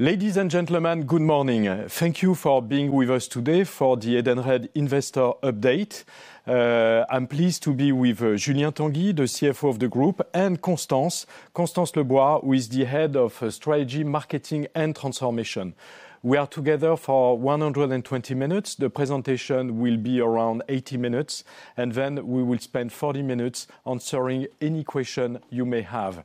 Ladies and gentlemen, good morning. Thank you for being with us today for the Edenred Investor Update. I'm pleased to be with Julien Tanguy, the CFO of the Group; and Constance Le Bouar, who is the Head of Strategy, Marketing, and Transformation. We are together for 120 minutes. The presentation will be around 80 minutes, and then we will spend 40 minutes answering any question you may have.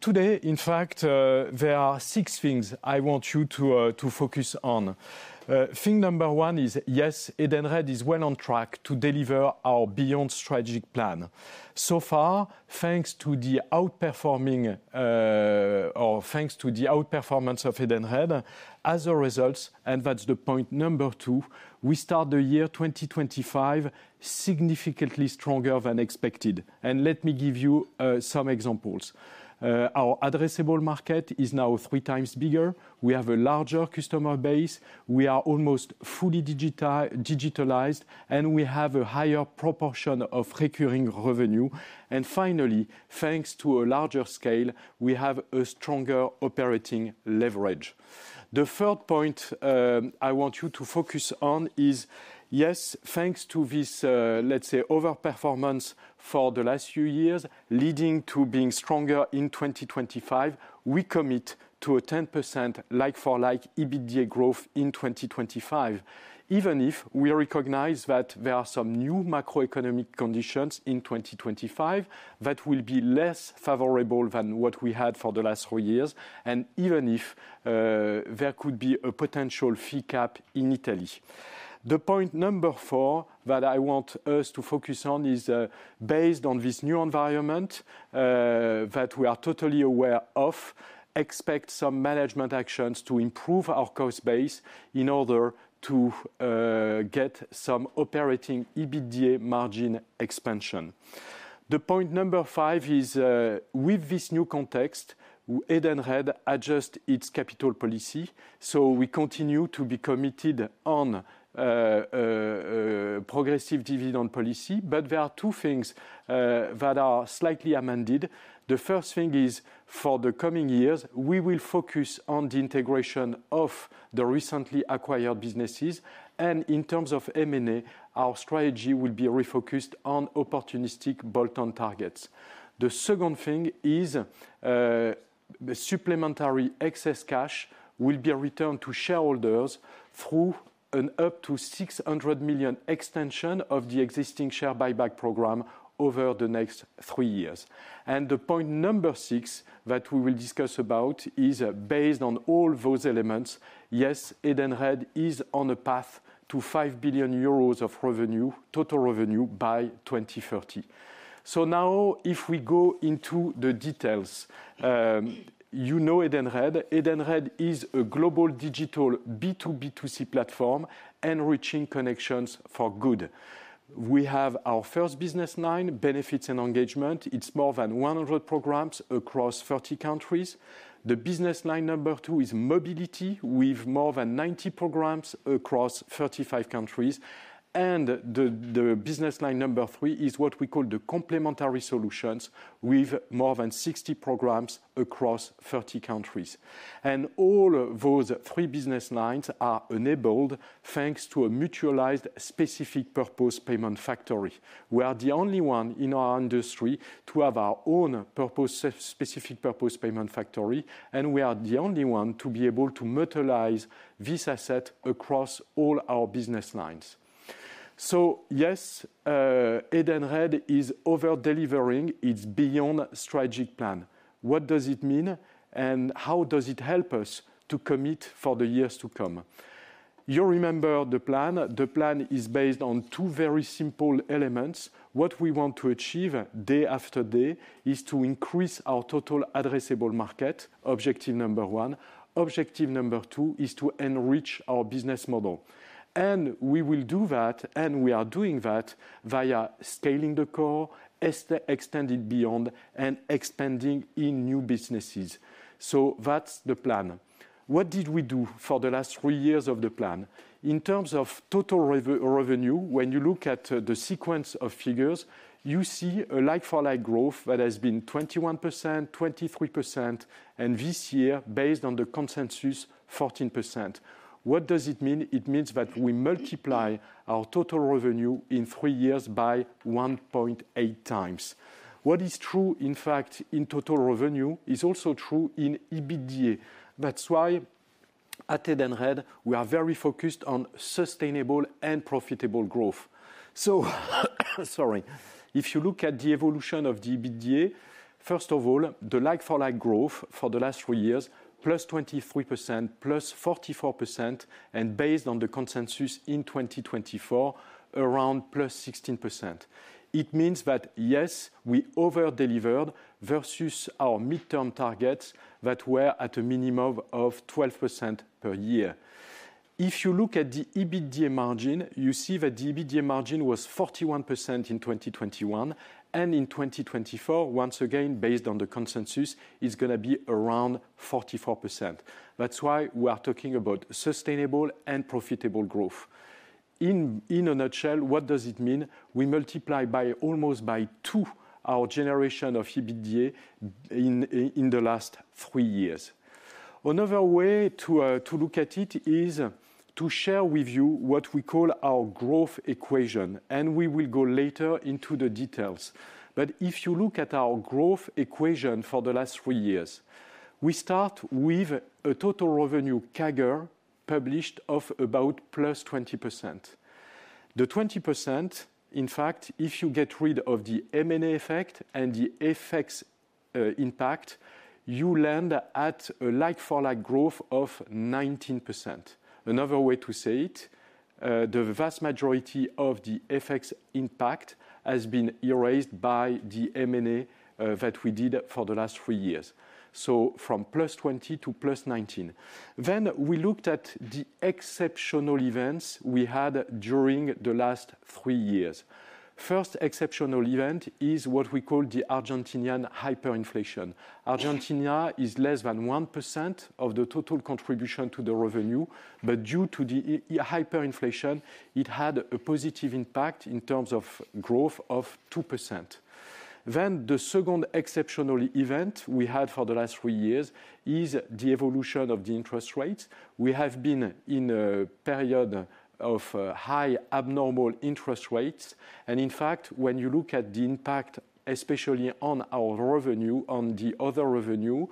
Today, in fact, there are six things I want you to focus on. Thing number one is, yes, Edenred is well on track to deliver our Beyond Strategic Plan. So far, thanks to the outperforming or thanks to the outperformance of Edenred, as a result, and that's the point number two, we start the year 2025 significantly stronger than expected. And let me give you some examples. Our addressable market is now three times bigger. We have a larger customer base. We are almost fully digitalized, and we have a higher proportion of recurring revenue. Finally, thanks to a larger scale, we have a stronger operating leverage. The third point I want you to focus on is, yes, thanks to this, let's say, overperformance for the last few years leading to being stronger in 2025, we commit to a 10% like-for-like EBITDA growth in 2025, even if we recognize that there are some new macroeconomic conditions in 2025 that will be less favorable than what we had for the last four years, and even if there could be a potential fee cap in Italy. The point number four that I want us to focus on is, based on this new environment that we are totally aware of, expect some management actions to improve our cost base in order to get some operating EBITDA margin expansion. The point number five is, with this new context, Edenred adjusts its capital policy. So we continue to be committed to a progressive dividend policy, but there are two things that are slightly amended. The first thing is, for the coming years, we will focus on the integration of the recently acquired businesses, and in terms of M&A, our strategy will be refocused on opportunistic bolt-on targets. The second thing is, supplementary excess cash will be returned to shareholders through an up to 600 million extension of the existing share buyback program over the next three years. And the point number six that we will discuss about is, based on all those elements, yes, Edenred is on a path to 5 billion euros of total revenue by 2030. So now, if we go into the details, you know Edenred. Edenred is a global digital B2B2C platform, enriching connections for good. We have our first business line, Benefits and Engagement. It's more than 100 programs across 30 countries. The business line number two is Mobility, with more than 90 programs across 35 countries. And the business line number three is what we call the Complementary Solutions, with more than 60 programs across 30 countries. And all those three business lines are enabled thanks to a mutualized specific purpose payment factory. We are the only one in our industry to have our own specific purpose payment factory, and we are the only one to be able to utilize this asset across all our business lines. So yes, Edenred is over-delivering its Beyond Strategic Plan. What does it mean, and how does it help us to commit for the years to come? You remember the plan. The plan is based on two very simple elements. What we want to achieve day after day is to increase our total addressable market, objective number one. Objective number two is to enrich our business model. And we will do that, and we are doing that via scaling the core, extending beyond, and expanding in new businesses. So that's the plan. What did we do for the last three years of the plan? In terms of total revenue, when you look at the sequence of figures, you see a like-for-like growth that has been 21%, 23%, and this year, based on the consensus, 14%. What does it mean? It means that we multiply our total revenue in three years by 1.8x. What is true, in fact, in total revenue is also true in EBITDA. That's why at Edenred, we are very focused on sustainable and profitable growth. So, sorry, if you look at the evolution of the EBITDA, first of all, the like-for-like growth for the last three years, +23%, +44%, and based on the consensus in 2024, around +16%. It means that, yes, we over-delivered versus our midterm targets that were at a minimum of 12% per year. If you look at the EBITDA margin, you see that the EBITDA margin was 41% in 2021, and in 2024, once again, based on the consensus, it's going to be around 44%. That's why we are talking about sustainable and profitable growth. In a nutshell, what does it mean? We multiply almost by two our generation of EBITDA in the last three years. Another way to look at it is to share with you what we call our growth equation, and we will go later into the details. But if you look at our growth equation for the last three years, we start with a total revenue CAGR published of about +20%. The 20%, in fact, if you get rid of the M&A effect and the FX impact, you land at a like-for-like growth of 19%. Another way to say it, the vast majority of the FX impact has been erased by the M&A that we did for the last three years. So from +20% to +19%. Then we looked at the exceptional events we had during the last three years. First exceptional event is what we call the Argentine hyperinflation. Argentina is less than 1% of the total contribution to the revenue, but due to the hyperinflation, it had a positive impact in terms of growth of 2%. Then the second exceptional event we had for the last three years is the evolution of the interest rates. We have been in a period of high abnormal interest rates. And in fact, when you look at the impact, especially on our revenue, on the other revenue,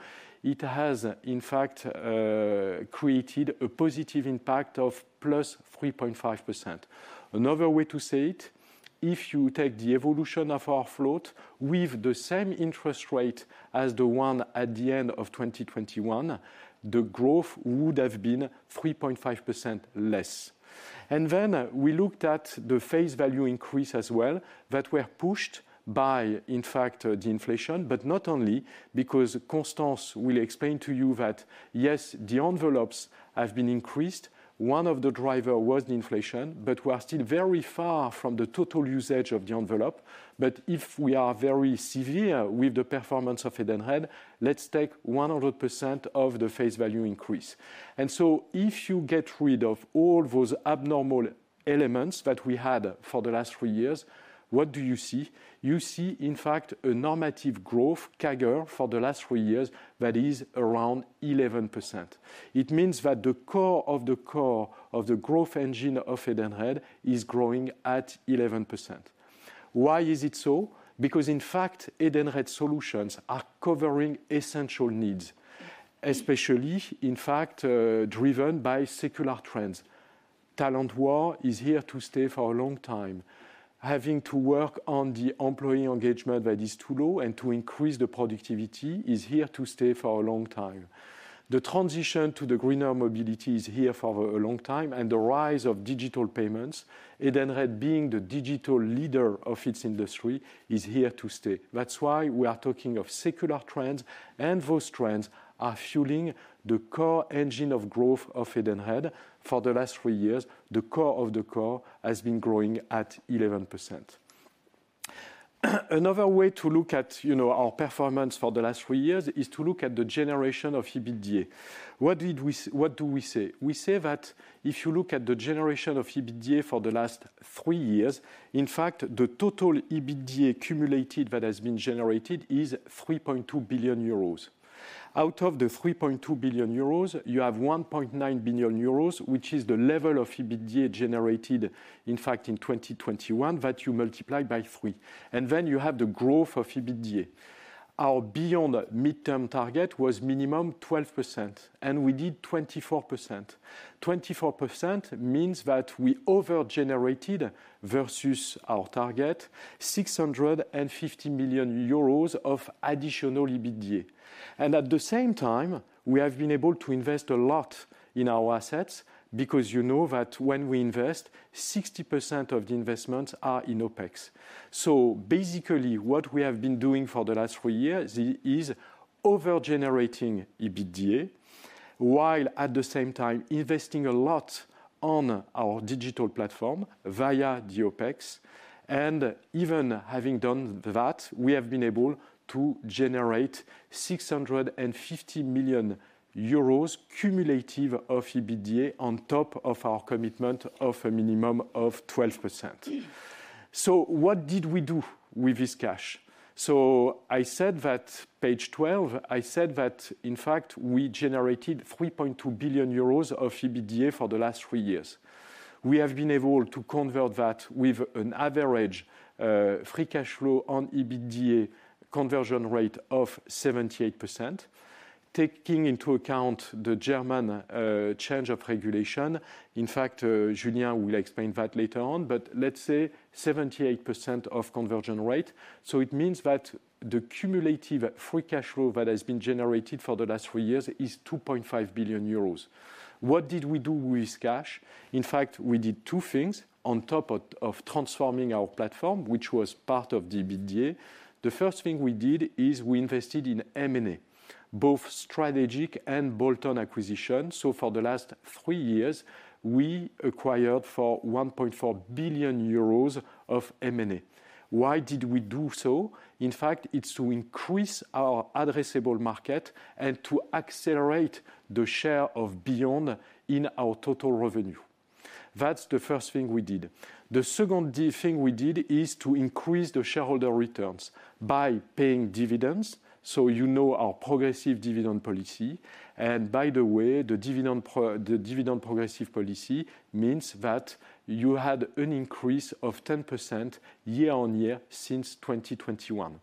it has, in fact, created a positive impact of +3.5%. Another way to say it, if you take the evolution of our float with the same interest rate as the one at the end of 2021, the growth would have been 3.5% less. And then we looked at the face value increase as well that were pushed by, in fact, the inflation, but not only because Constance will explain to you that, yes, the envelopes have been increased. One of the drivers was the inflation, but we are still very far from the total usage of the envelope. But if we are very severe with the performance of Edenred, let's take 100% of the face value increase. And so if you get rid of all those abnormal elements that we had for the last three years, what do you see? You see, in fact, a normative growth CAGR for the last three years that is around 11%. It means that the core of the core of the growth engine of Edenred is growing at 11%. Why is it so? Because, in fact, Edenred Solutions are covering essential needs, especially, in fact, driven by secular trends. Talent war is here to stay for a long time. Having to work on the employee engagement that is too low and to increase the productivity is here to stay for a long time. The transition to the greener Mobility is here for a long time, and the rise of digital payments, Edenred being the digital leader of its industry, is here to stay. That's why we are talking of secular trends, and those trends are fueling the core engine of growth of Edenred for the last three years. The core of the core has been growing at 11%. Another way to look at our performance for the last three years is to look at the generation of EBITDA. What do we say? We say that if you look at the generation of EBITDA for the last three years, in fact, the total EBITDA cumulated that has been generated is 3.2 billion euros. Out of the 3.2 billion euros, you have 1.9 billion euros, which is the level of EBITDA generated, in fact, in 2021 that you multiply by three. You have the growth of EBITDA. Our Beyond mid-term target was minimum 12%, and we did 24%. 24% means that we over-generated versus our target, 650 million euros of additional EBITDA. At the same time, we have been able to invest a lot in our assets because you know that when we invest, 60% of the investments are in OpEx. Basically, what we have been doing for the last three years is over-generating EBITDA while at the same time investing a lot on our digital platform via the OpEx. Even having done that, we have been able to generate 650 million euros cumulative of EBITDA on top of our commitment of a minimum of 12%. What did we do with this cash? I said that page 12, in fact, we generated 3.2 billion euros of EBITDA for the last three years. We have been able to convert that with an average free cash flow on EBITDA conversion rate of 78%, taking into account the German change of regulation. In fact, Julien will explain that later on, but let's say 78% of conversion rate. So it means that the cumulative free cash flow that has been generated for the last three years is 2.5 billion euros. What did we do with this cash? In fact, we did two things on top of transforming our platform, which was part of the EBITDA. The first thing we did is we invested in M&A, both strategic and bolt-on acquisition. So for the last three years, we acquired for 1.4 billion euros of M&A. Why did we do so? In fact, it's to increase our addressable market and to accelerate the share of Beyond in our total revenue. That's the first thing we did. The second thing we did is to increase the shareholder returns by paying dividends, so you know our progressive dividend policy. And by the way, the dividend progressive policy means that you had an increase of 10% year on year since 2021.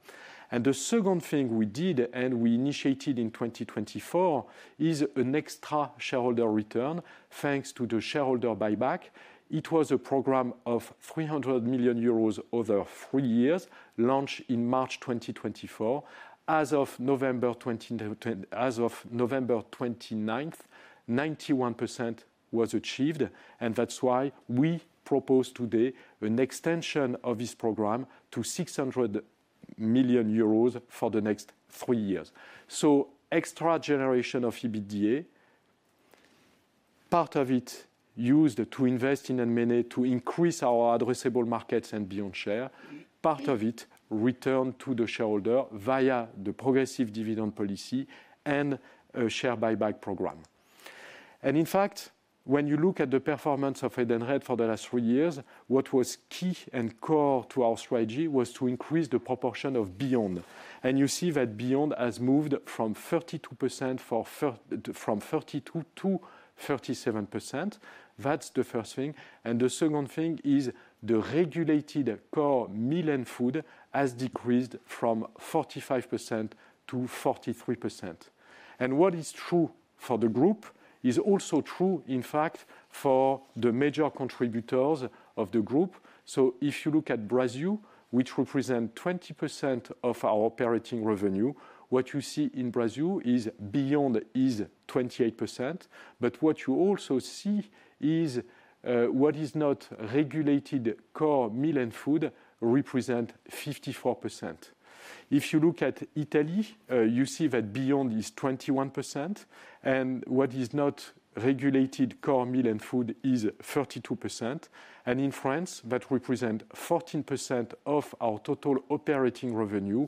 The second thing we did and we initiated in 2024 is an extra shareholder return thanks to the shareholder buyback. It was a program of 300 million euros over three years, launched in March 2024. As of November 29th, 91% was achieved. That's why we propose today an extension of this program to 600 million euros for the next three years. Extra generation of EBITDA, part of it used to invest in M&A to increase our addressable markets and beyond share. Part of it returned to the shareholder via the progressive dividend policy and share buyback program. In fact, when you look at the performance of Edenred for the last three years, what was key and core to our strategy was to increase the proportion of Beyond. And you see that Beyond has moved from 32%-37%. That's the first thing. And the second thing is the regulated core Meal and Food has decreased from 45%-43%. And what is true for the group is also true, in fact, for the major contributors of the group. So if you look at Brazil, which represents 20% of our operating revenue, what you see in Brazil is Beyond is 28%. But what you also see is what is not regulated core Meal and Food represents 54%. If you look at Italy, you see that Beyond is 21%. And what is not regulated core Meal and Food is 32%. In France, that represents 14% of our total operating revenue.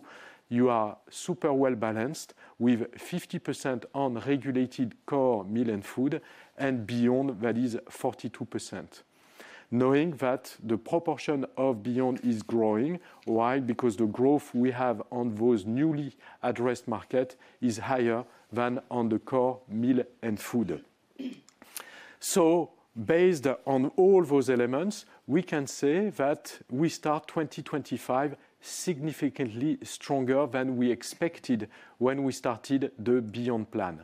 You are super well balanced with 50% on regulated core Meal and Food, and Beyond that is 42%. Knowing that the proportion of Beyond is growing, why? Because the growth we have on those newly addressed markets is higher than on the core Meal and Food. Based on all those elements, we can say that we start 2025 significantly stronger than we expected when we started the Beyond plan.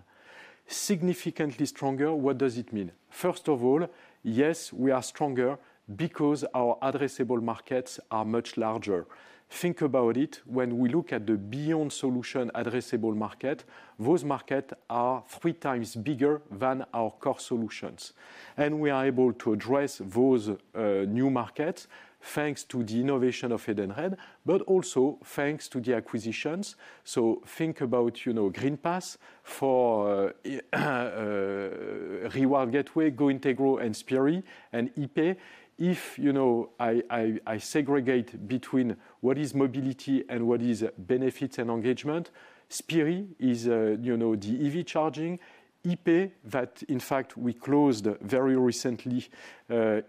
Significantly stronger, what does it mean? First of all, yes, we are stronger because our addressable markets are much larger. Think about it. When we look at the Beyond solution addressable market, those markets are 3x bigger than our core solutions. We are able to address those new markets thanks to the innovation of Edenred, but also thanks to the acquisitions. So think about Greenpass for Reward Gateway, GOintegro, and Spirii, and IP. If I segregate between what is Mobility and what is Benefits and Engagement, Spirii is the EV charging. IP, that in fact we closed very recently,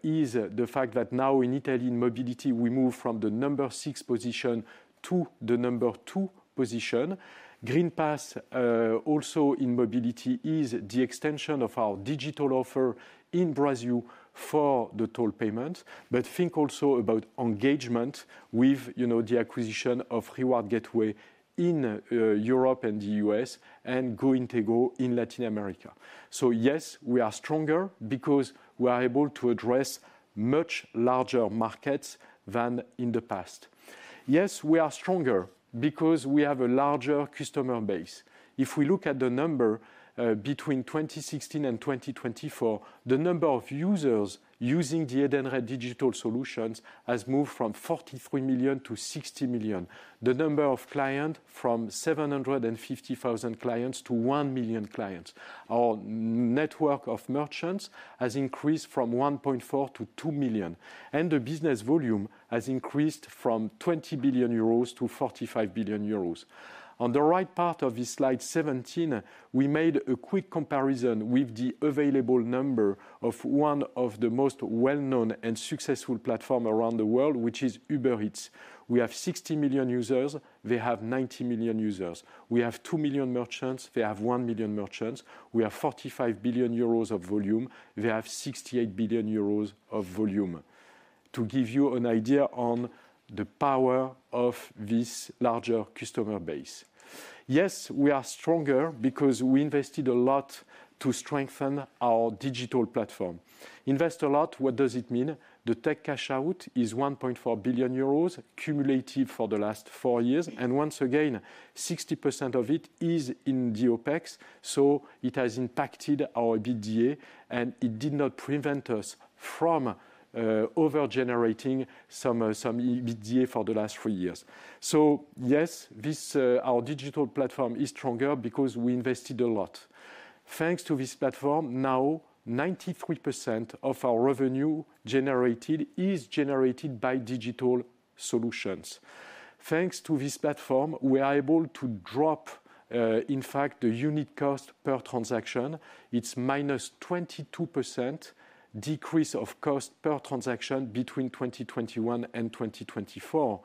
is the fact that now in Italy, in Mobility, we move from the number six position to the number two position. Greenpass, also in Mobility, is the extension of our digital offer in Brazil for the toll payment. But think also about engagement with the acquisition of Reward Gateway in Europe and the U.S. and GOintegro in Latin America. So yes, we are stronger because we are able to address much larger markets than in the past. Yes, we are stronger because we have a larger customer base. If we look at the number between 2016 and 2024, the number of users using the Edenred digital solutions has moved from 43 million-60 million. The number of clients from 750,000 clients to 1 million clients. Our network of merchants has increased from 1.4 million-2 million, and the business volume has increased from 20 billion euros to 45 billion euros. On the right part of this slide 17, we made a quick comparison with the available number of one of the most well-known and successful platforms around the world, which is Uber Eats. We have 60 million users. They have 90 million users. We have 2 million merchants. They have 1 million merchants. We have 45 billion euros of volume. They have 68 billion euros of volume. To give you an idea on the power of this larger customer base. Yes, we are stronger because we invested a lot to strengthen our digital platform. Invest a lot, what does it mean? The tech CAPEX is 1.4 billion euros cumulative for the last four years. And once again, 60% of it is in the OPEX. So it has impacted our EBITDA, and it did not prevent us from over-generating some EBITDA for the last three years. So yes, our digital platform is stronger because we invested a lot. Thanks to this platform, now 93% of our revenue generated is generated by digital solutions. Thanks to the platform, we are able to drop, in fact, the unit cost per transaction. It's -22% decrease of cost per transaction between 2021 and 2024.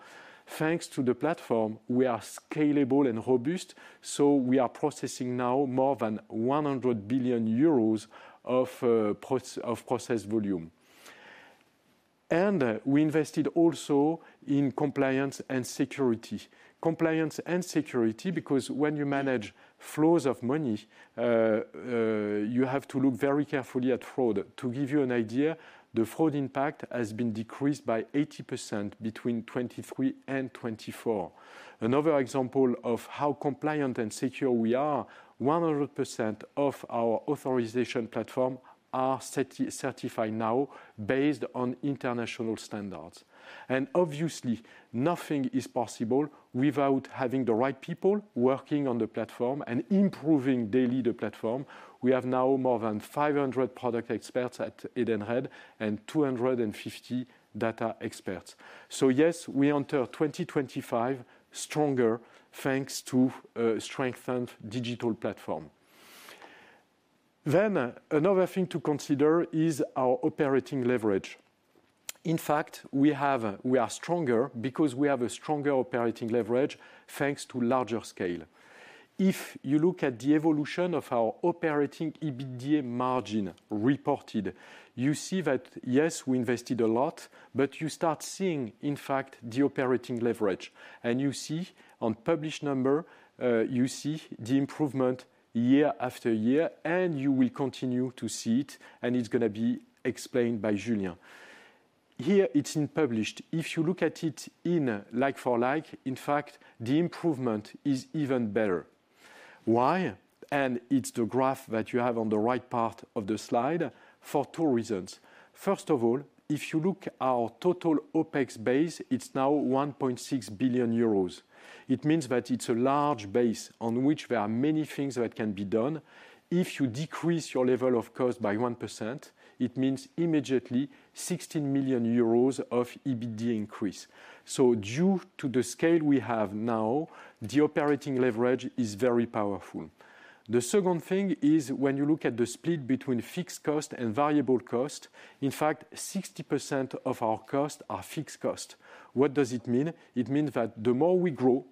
Thanks to the platform, we are scalable and robust. So we are processing now more than 100 billion euros of process volume. And we invested also in compliance and security. Compliance and security, because when you manage flows of money, you have to look very carefully at fraud. To give you an idea, the fraud impact has been decreased by 80% between 2023 and 2024. Another example of how compliant and secure we are, 100% of our authorization platforms are certified now based on international standards, and obviously, nothing is possible without having the right people working on the platform and improving daily the platform. We have now more than 500 product experts at Edenred and 250 data experts, so yes, we enter 2025 stronger thanks to a strengthened digital platform, then another thing to consider is our operating leverage. In fact, we are stronger because we have a stronger operating leverage thanks to larger scale. If you look at the evolution of our operating EBITDA margin reported, you see that, yes, we invested a lot, but you start seeing, in fact, the operating leverage. And you see on published number, you see the improvement year after year, and you will continue to see it. And it's going to be explained by Julien. Here, it's in published. If you look at it in like-for-like, in fact, the improvement is even better. Why? And it's the graph that you have on the right part of the slide for two reasons. First of all, if you look at our total OPEX base, it's now 1.6 billion euros. It means that it's a large base on which there are many things that can be done. If you decrease your level of cost by 1%, it means immediately 16 million euros of EBITDA increase. So due to the scale we have now, the operating leverage is very powerful. The second thing is when you look at the split between fixed cost and variable cost, in fact, 60% of our costs are fixed costs. What does it mean? It means that the more we grow,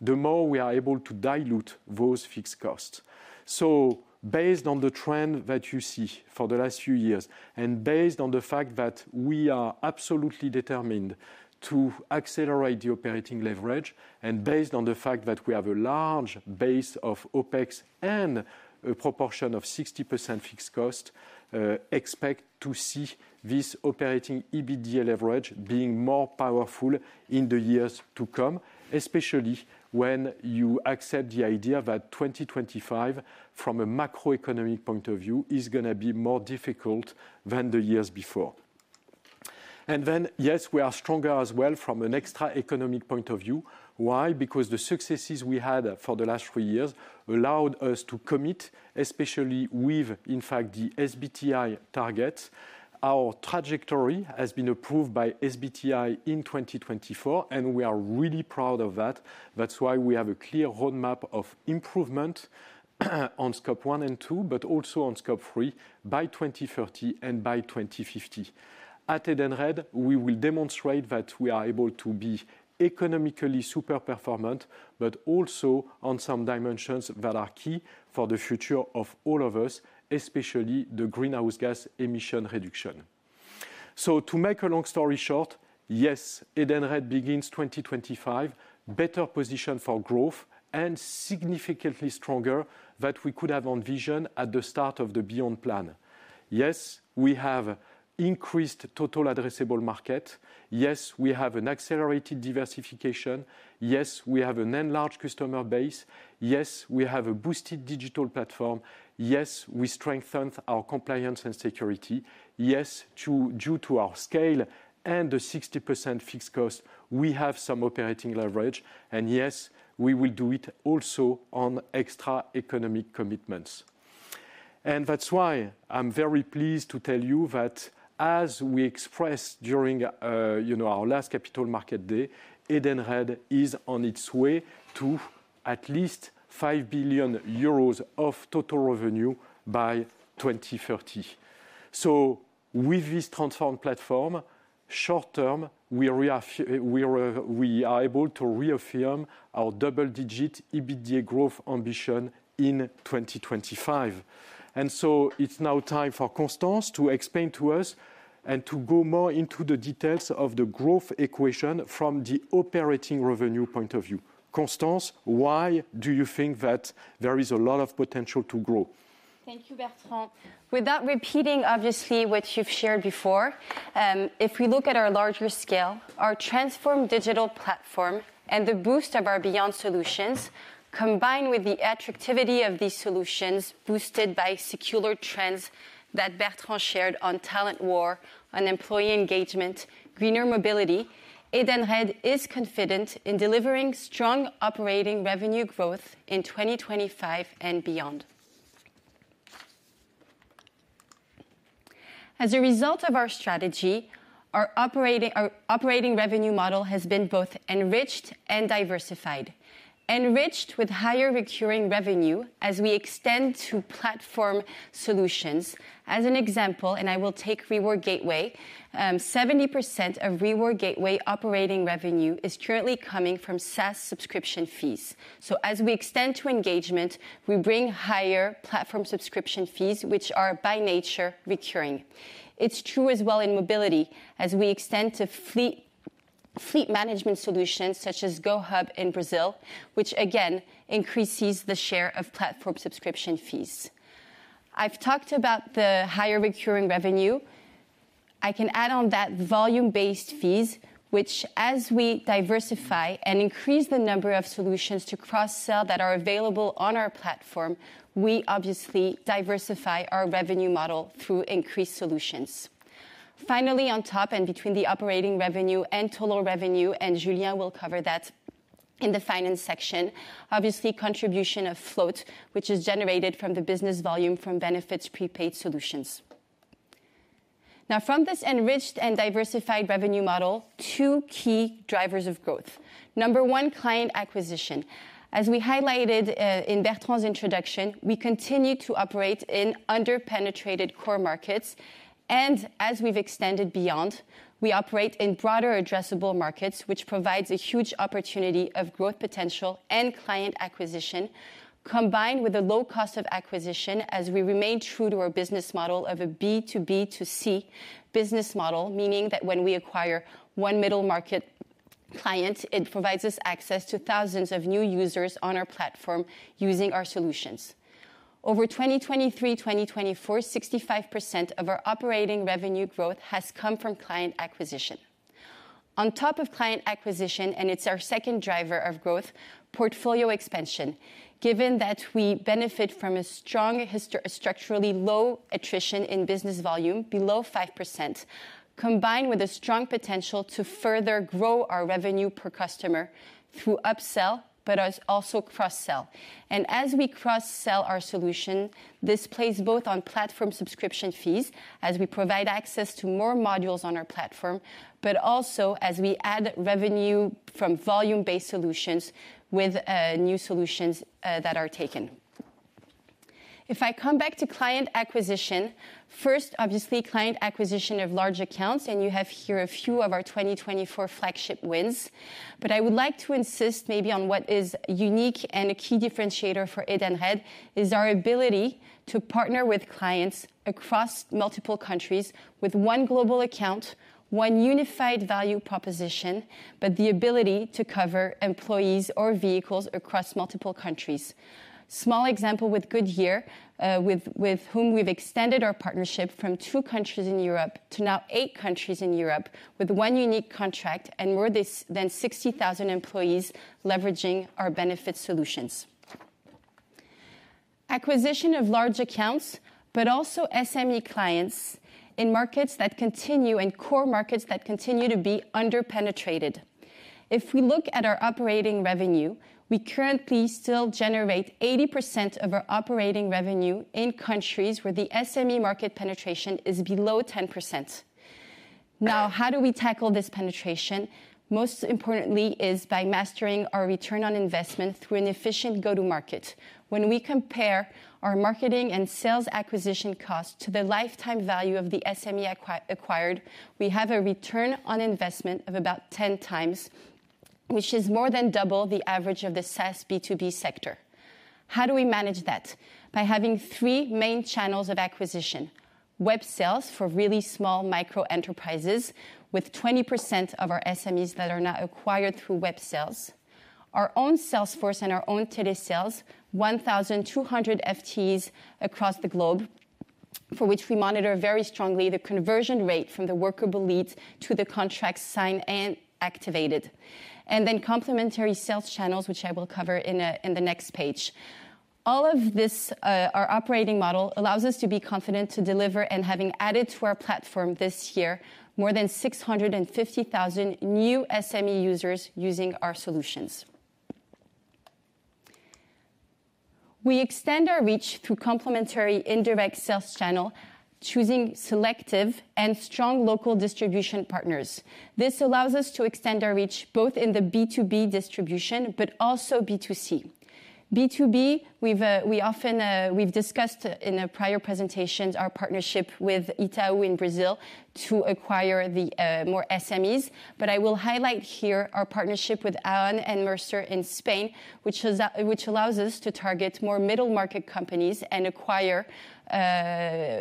the more we are able to dilute those fixed costs. So based on the trend that you see for the last few years and based on the fact that we are absolutely determined to accelerate the operating leverage and based on the fact that we have a large base of OPEX and a proportion of 60% fixed cost, expect to see this operating EBITDA leverage being more powerful in the years to come, especially when you accept the idea that 2025, from a macroeconomic point of view, is going to be more difficult than the years before. Yes, we are stronger as well from an extra economic point of view. Why? Because the successes we had for the last three years allowed us to commit, especially with, in fact, the SBTi targets. Our trajectory has been approved by SBTi in 2024, and we are really proud of that. That's why we have a clear roadmap of improvement on scope one and two, but also on scope three by 2030 and by 2050. At Edenred, we will demonstrate that we are able to be economically super performant, but also on some dimensions that are key for the future of all of us, especially the greenhouse gas emission reduction. To make a long story short, yes, Edenred begins 2025, better positioned for growth and significantly stronger than we could have envisioned at the start of the Beyond plan. Yes, we have increased total addressable market. Yes, we have an accelerated diversification. Yes, we have an enlarged customer base. Yes, we have a boosted digital platform. Yes, we strengthened our compliance and security. Yes, due to our scale and the 60% fixed cost, we have some operating leverage. And yes, we will do it also on extra economic commitments. And that's why I'm very pleased to tell you that, as we expressed during our last capital market day, Edenred is on its way to at least 5 billion euros of total revenue by 2030. So with this transformed platform, short term, we are able to reaffirm our double-digit EBITDA growth ambition in 2025. And so it's now time for Constance to explain to us and to go more into the details of the growth equation from the operating revenue point of view. Constance, why do you think that there is a lot of potential to grow? Thank you, Bertrand. Without repeating, obviously, what you've shared before, if we look at our larger scale, our transformed digital platform and the boost of our Beyond solutions combined with the attractiveness of these solutions boosted by secular trends that Bertrand shared on talent war, employee engagement, greener Mobility, Edenred is confident in delivering strong operating revenue growth in 2025 and beyond. As a result of our strategy, our operating revenue model has been both enriched and diversified, enriched with higher recurring revenue as we extend to platform solutions. As an example, and I will take Reward Gateway, 70% of Reward Gateway operating revenue is currently coming from SaaS subscription fees. So as we extend to engagement, we bring higher platform subscription fees, which are by nature recurring. It's true as well in Mobility as we extend to fleet management solutions such as GoHub in Brazil, which again increases the share of platform subscription fees. I've talked about the higher recurring revenue. I can add on that volume-based fees, which, as we diversify and increase the number of solutions to cross-sell that are available on our platform, we obviously diversify our revenue model through increased solutions. Finally, on top and between the operating revenue and total revenue, and Julien will cover that in the finance section, obviously contribution of float, which is generated from the business volume from benefits prepaid solutions. Now, from this enriched and diversified revenue model, two key drivers of growth. Number one, client acquisition. As we highlighted in Bertrand's introduction, we continue to operate in under-penetrated core markets. And as we've extended Beyond, we operate in broader addressable markets, which provides a huge opportunity of growth potential and client acquisition, combined with a low cost of acquisition as we remain true to our business model of a B2B2C business model, meaning that when we acquire one middle market client, it provides us access to thousands of new users on our platform using our solutions. Over 2023-2024, 65% of our operating revenue growth has come from client acquisition. On top of client acquisition, and it's our second driver of growth, portfolio expansion, given that we benefit from a strong structurally low attrition in business volume below 5%, combined with a strong potential to further grow our revenue per customer through upsell, but also cross-sell. As we cross-sell our solution, this plays both on platform subscription fees as we provide access to more modules on our platform, but also as we add revenue from volume-based solutions with new solutions that are taken. If I come back to client acquisition, first, obviously, client acquisition of large accounts, and you have here a few of our 2024 flagship wins. I would like to insist maybe on what is unique and a key differentiator for Edenred is our ability to partner with clients across multiple countries with one global account, one unified value proposition, but the ability to cover employees or vehicles across multiple countries. Small example with Goodyear, with whom we've extended our partnership from two countries in Europe to now eight countries in Europe with one unique contract and more than 60,000 employees leveraging our benefit solutions. Acquisition of large accounts, but also SME clients in markets that continue and core markets that continue to be under-penetrated. If we look at our operating revenue, we currently still generate 80% of our operating revenue in countries where the SME market penetration is below 10%. Now, how do we tackle this penetration? Most importantly is by mastering our return on investment through an efficient go-to-market. When we compare our marketing and sales acquisition cost to the lifetime value of the SME acquired, we have a return on investment of about 10x, which is more than double the average of the SaaS B2B sector. How do we manage that? By having three main channels of acquisition: web sales for really small micro enterprises with 20% of our SMEs that are now acquired through web sales, our own Salesforce and our own TeleSales, 1,200 FTEs across the globe, for which we monitor very strongly the conversion rate from the workable lead to the contract signed and activated, and then complementary sales channels, which I will cover in the next page. All of this our operating model allows us to be confident to deliver and having added to our platform this year more than 650,000 new SME users using our solutions. We extend our reach through complementary indirect sales channel, choosing selective and strong local distribution partners. This allows us to extend our reach both in the B2B distribution, but also B2C. B2B, we've often discussed in a prior presentation our partnership with Itaú in Brazil to acquire more SMEs, but I will highlight here our partnership with Aon and Mercer in Spain, which allows us to target more middle market companies and acquire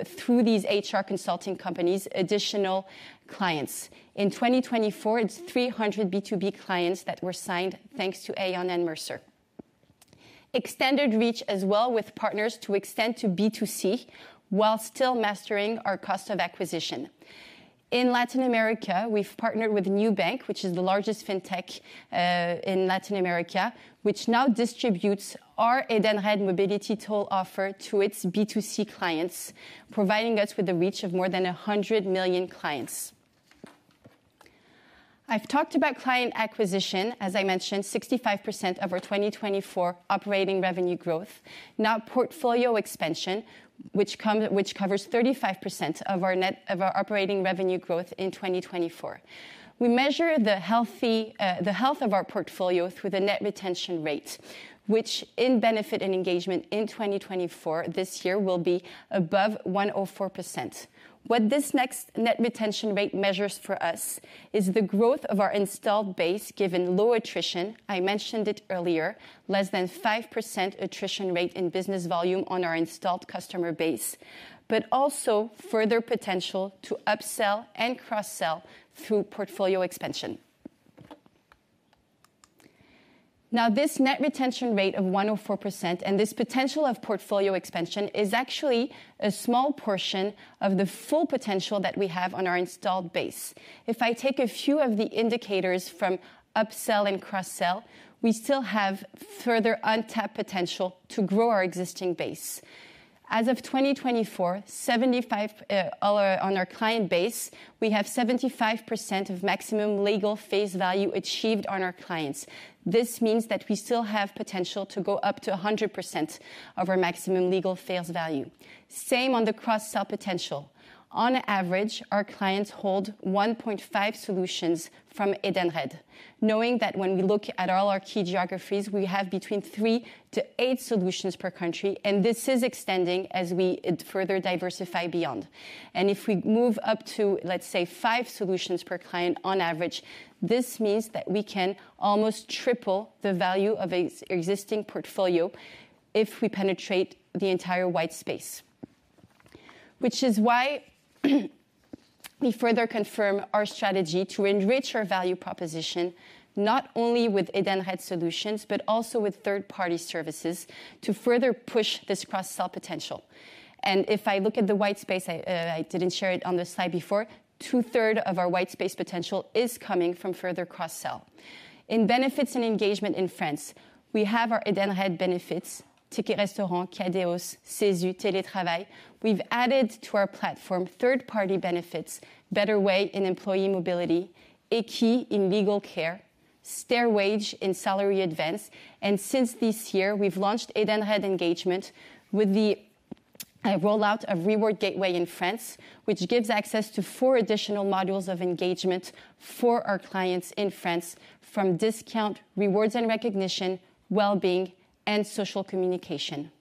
through these HR consulting companies additional clients. In 2024, it's 300 B2B clients that were signed thanks to Aon and Mercer. Extended reach as well with partners to extend to B2C while still mastering our cost of acquisition. In Latin America, we've partnered with Nubank, which is the largest fintech in Latin America, which now distributes our Edenred Mobility toll offer to its B2C clients, providing us with the reach of more than 100 million clients. I've talked about client acquisition, as I mentioned, 65% of our 2024 operating revenue growth, now portfolio expansion, which covers 35% of our net of our operating revenue growth in 2024. We measure the health of our portfolio through the net retention rate, which in Benefits and Engagement in 2024 this year will be above 104%. What this net retention rate measures for us is the growth of our installed base given low attrition. I mentioned it earlier, less than five% attrition rate in business volume on our installed customer base, but also further potential to upsell and cross-sell through portfolio expansion. Now, this net retention rate of 104% and this potential of portfolio expansion is actually a small portion of the full potential that we have on our installed base. If I take a few of the indicators from upsell and cross-sell, we still have further untapped potential to grow our existing base. As of 2024, 75% of our client base, we have 75% of maximum legal face value achieved on our clients. This means that we still have potential to go up to 100% of our maximum legal sales value. Same on the cross-sell potential. On average, our clients hold 1.5 solutions from Edenred, knowing that when we look at all our key geographies, we have between three to eight solutions per country, and this is extending as we further diversify Beyond, and if we move up to, let's say, five solutions per client on average, this means that we can almost triple the value of an existing portfolio if we penetrate the entire white space, which is why we further confirm our strategy to enrich our value proposition not only with Edenred solutions, but also with third-party services to further push this cross-sell potential, and if I look at the white space, I didn't share it on the slide before, two-thirds of our white space potential is coming from further cross-sell. In Benefits and Engagement in France, we have our Edenred benefits, Ticket Restaurant, Kadéos, CESU, Télétravail. We've added to our platform third-party benefits, Betterway in employee Mobility, Ekie in legal care, Stairwage in salary advance. And since this year, we've launched Edenred engagement with the rollout of Reward Gateway in France, which gives access to four additional modules of engagement for our clients in France from discount, rewards and recognition, well-being, and social communication.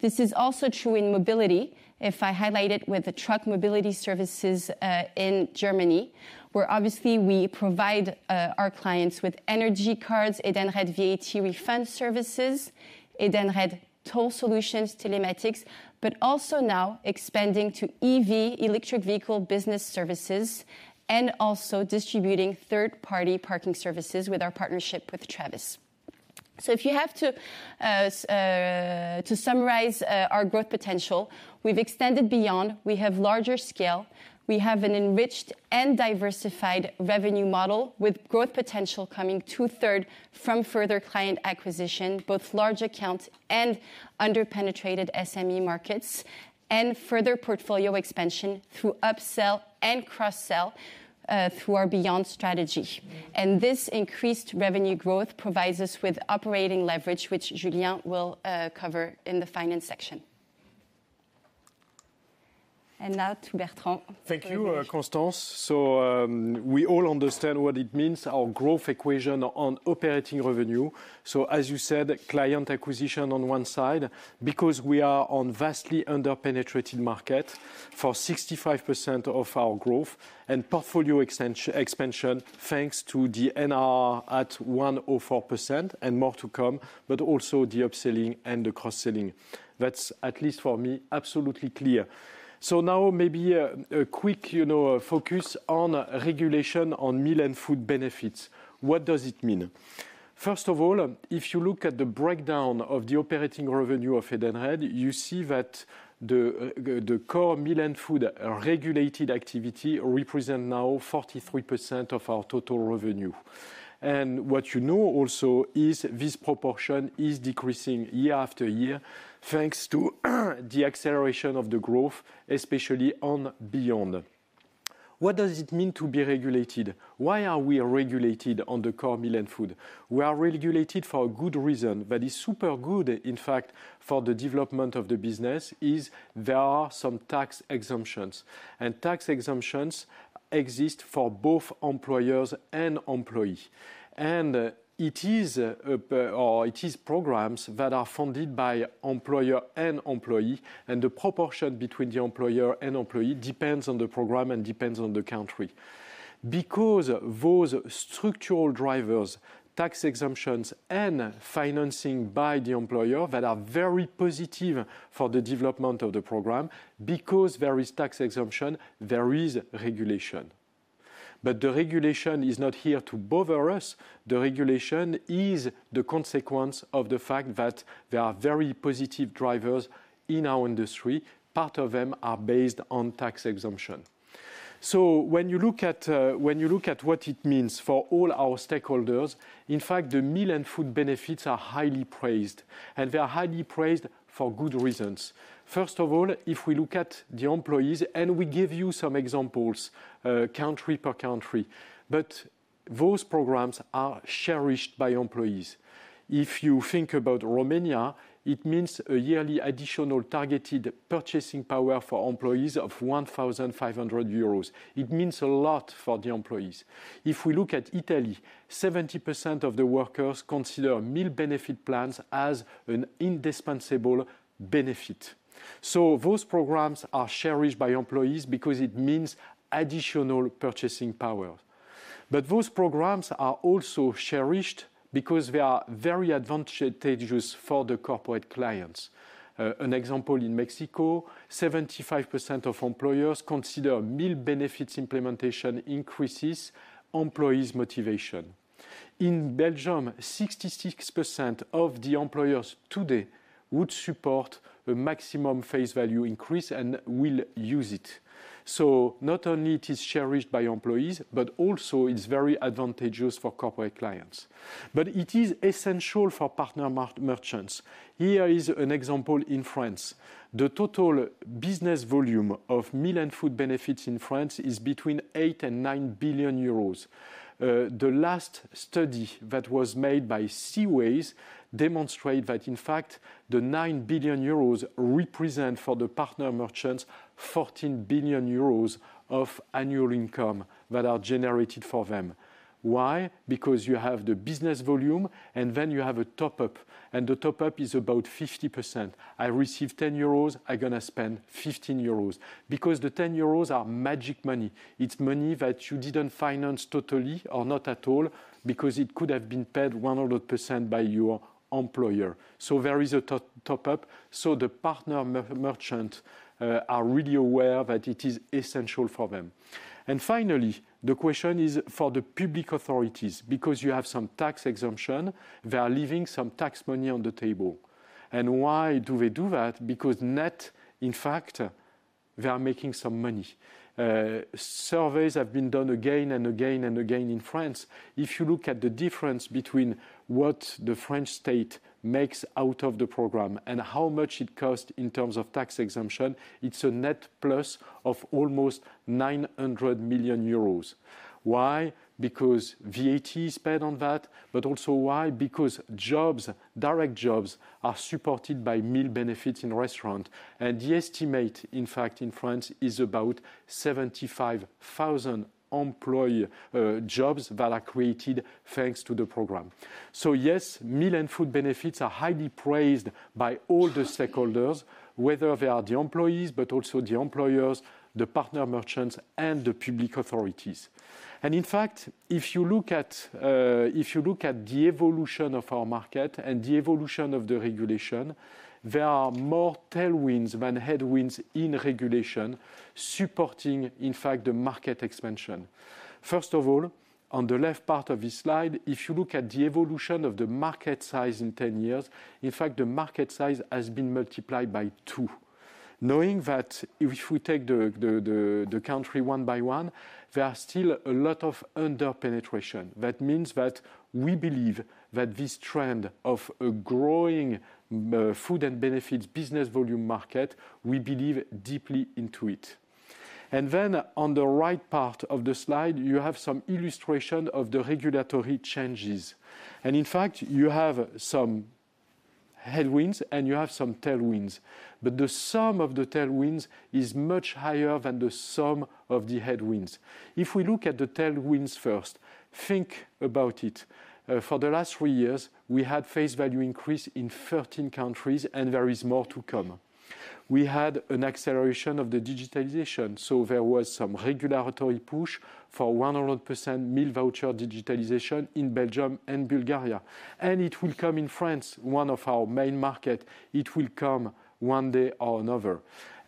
This is also true in Mobility. If I highlight it with the truck Mobility services in Germany, where obviously we provide our clients with energy cards, Edenred VAT refund services, Edenred toll solutions, telematics, but also now expanding to EV, electric vehicle business services, and also distributing third-party parking services with our partnership with Travis. So if you have to summarize our growth potential, we've extended beyond. We have larger scale. We have an enriched and diversified revenue model with growth potential coming two-thirds from further client acquisition, both large account and under-penetrated SME markets, and further portfolio expansion through upsell and cross-sell through our beyond strategy. And this increased revenue growth provides us with operating leverage, which Julien will cover in the finance section. And now to Bertrand. Thank you, Constance. So we all understand what it means, our growth equation on operating revenue. So as you said, client acquisition on one side, because we are on a vastly under-penetrated market for 65% of our growth and portfolio expansion thanks to the NRR at 104% and more to come, but also the upselling and the cross-selling. That's, at least for me, absolutely clear. So now maybe a quick focus on regulation on Meal and Food benefits. What does it mean? First of all, if you look at the breakdown of the operating revenue of Edenred, you see that the core Meal and Food regulated activity represents now 43% of our total revenue, and what you know also is this proportion is decreasing year after year thanks to the acceleration of the growth, especially on Beyond. What does it mean to be regulated? Why are we regulated on the core Meal and Food? We are regulated for a good reason that is super good, in fact, for the development of the business, because there are some tax exemptions, and tax exemptions exist for both employers and employees, and it is programs that are funded by employer and employee, and the proportion between the employer and employee depends on the program and depends on the country. Because those structural drivers, tax exemptions, and financing by the employer that are very positive for the development of the program, because there is tax exemption, there is regulation. But the regulation is not here to bother us. The regulation is the consequence of the fact that there are very positive drivers in our industry. Part of them are based on tax exemption. So when you look at what it means for all our stakeholders, in fact, the Meal and Food benefits are highly praised, and they are highly praised for good reasons. First of all, if we look at the employees, and we give you some examples, country per country, but those programs are cherished by employees. If you think about Romania, it means a yearly additional targeted purchasing power for employees of 1,500 euros. It means a lot for the employees. If we look at Italy, 70% of the workers consider meal benefit plans as an indispensable benefit. So those programs are cherished by employees because it means additional purchasing power. But those programs are also cherished because they are very advantageous for the corporate clients. An example in Mexico, 75% of employers consider meal benefits implementation increases employees' motivation. In Belgium, 66% of the employers today would support a maximum face value increase and will use it. So not only it is cherished by employees, but also it's very advantageous for corporate clients. But it is essential for partner merchants. Here is an example in France. The total business volume of Meal and Food benefits in France is between 8 and 9 billion euros. The last study that was made by C-Ways demonstrates that, in fact, the 9 billion euros represents for the partner merchants 14 billion euros of annual income that are generated for them. Why? Because you have the business volume, and then you have a top-up, and the top-up is about 50%. I receive 10 euros, I'm going to spend 15 euros, because the 10 euros are magic money. It's money that you didn't finance totally or not at all, because it could have been paid 100% by your employer. So there is a top-up. So the partner merchants are really aware that it is essential for them. And finally, the question is for the public authorities, because you have some tax exemption, they are leaving some tax money on the table. And why do they do that? Because net, in fact, they are making some money. Surveys have been done again and again and again in France. If you look at the difference between what the French state makes out of the program and how much it costs in terms of tax exemption, it's a net plus of almost 900 million euros. Why? Because VAT is paid on that. But also why? Because jobs, direct jobs, are supported by meal benefits in restaurants. And the estimate, in fact, in France is about 75,000 jobs that are created thanks to the program. So yes, Meal and Food benefits are highly praised by all the stakeholders, whether they are the employees, but also the employers, the partner merchants, and the public authorities. And in fact, if you look at the evolution of our market and the evolution of the regulation, there are more tailwinds than headwinds in regulation supporting, in fact, the market expansion. First of all, on the left part of this slide, if you look at the evolution of the market size in 10 years, in fact, the market size has been multiplied by two. Knowing that if we take the country one by one, there are still a lot of under-penetration. That means that we believe that this trend of a growing food and benefits business volume market, we believe deeply into it. And then on the right part of the slide, you have some illustration of the regulatory changes. And in fact, you have some headwinds and you have some tailwinds. But the sum of the tailwinds is much higher than the sum of the headwinds. If we look at the tailwinds first, think about it. For the last three years, we had face value increase in 13 countries and there is more to come. We had an acceleration of the digitalization. So there was some regulatory push for 100% meal voucher digitalization in Belgium and Bulgaria. And it will come in France, one of our main markets. It will come one day or another.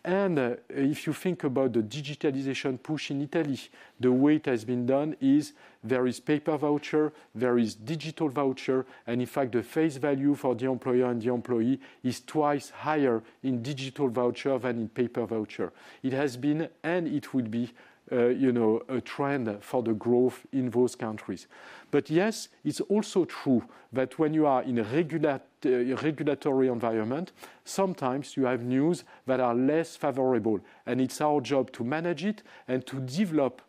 And if you think about the digitalization push in Italy, the way it has been done is there is paper voucher, there is digital voucher, and in fact, the face value for the employer and the employee is twice higher in digital voucher than in paper voucher. It has been and it will be a trend for the growth in those countries. But yes, it's also true that when you are in a regulatory environment, sometimes you have news that are less favorable, and it's our job to manage it and to develop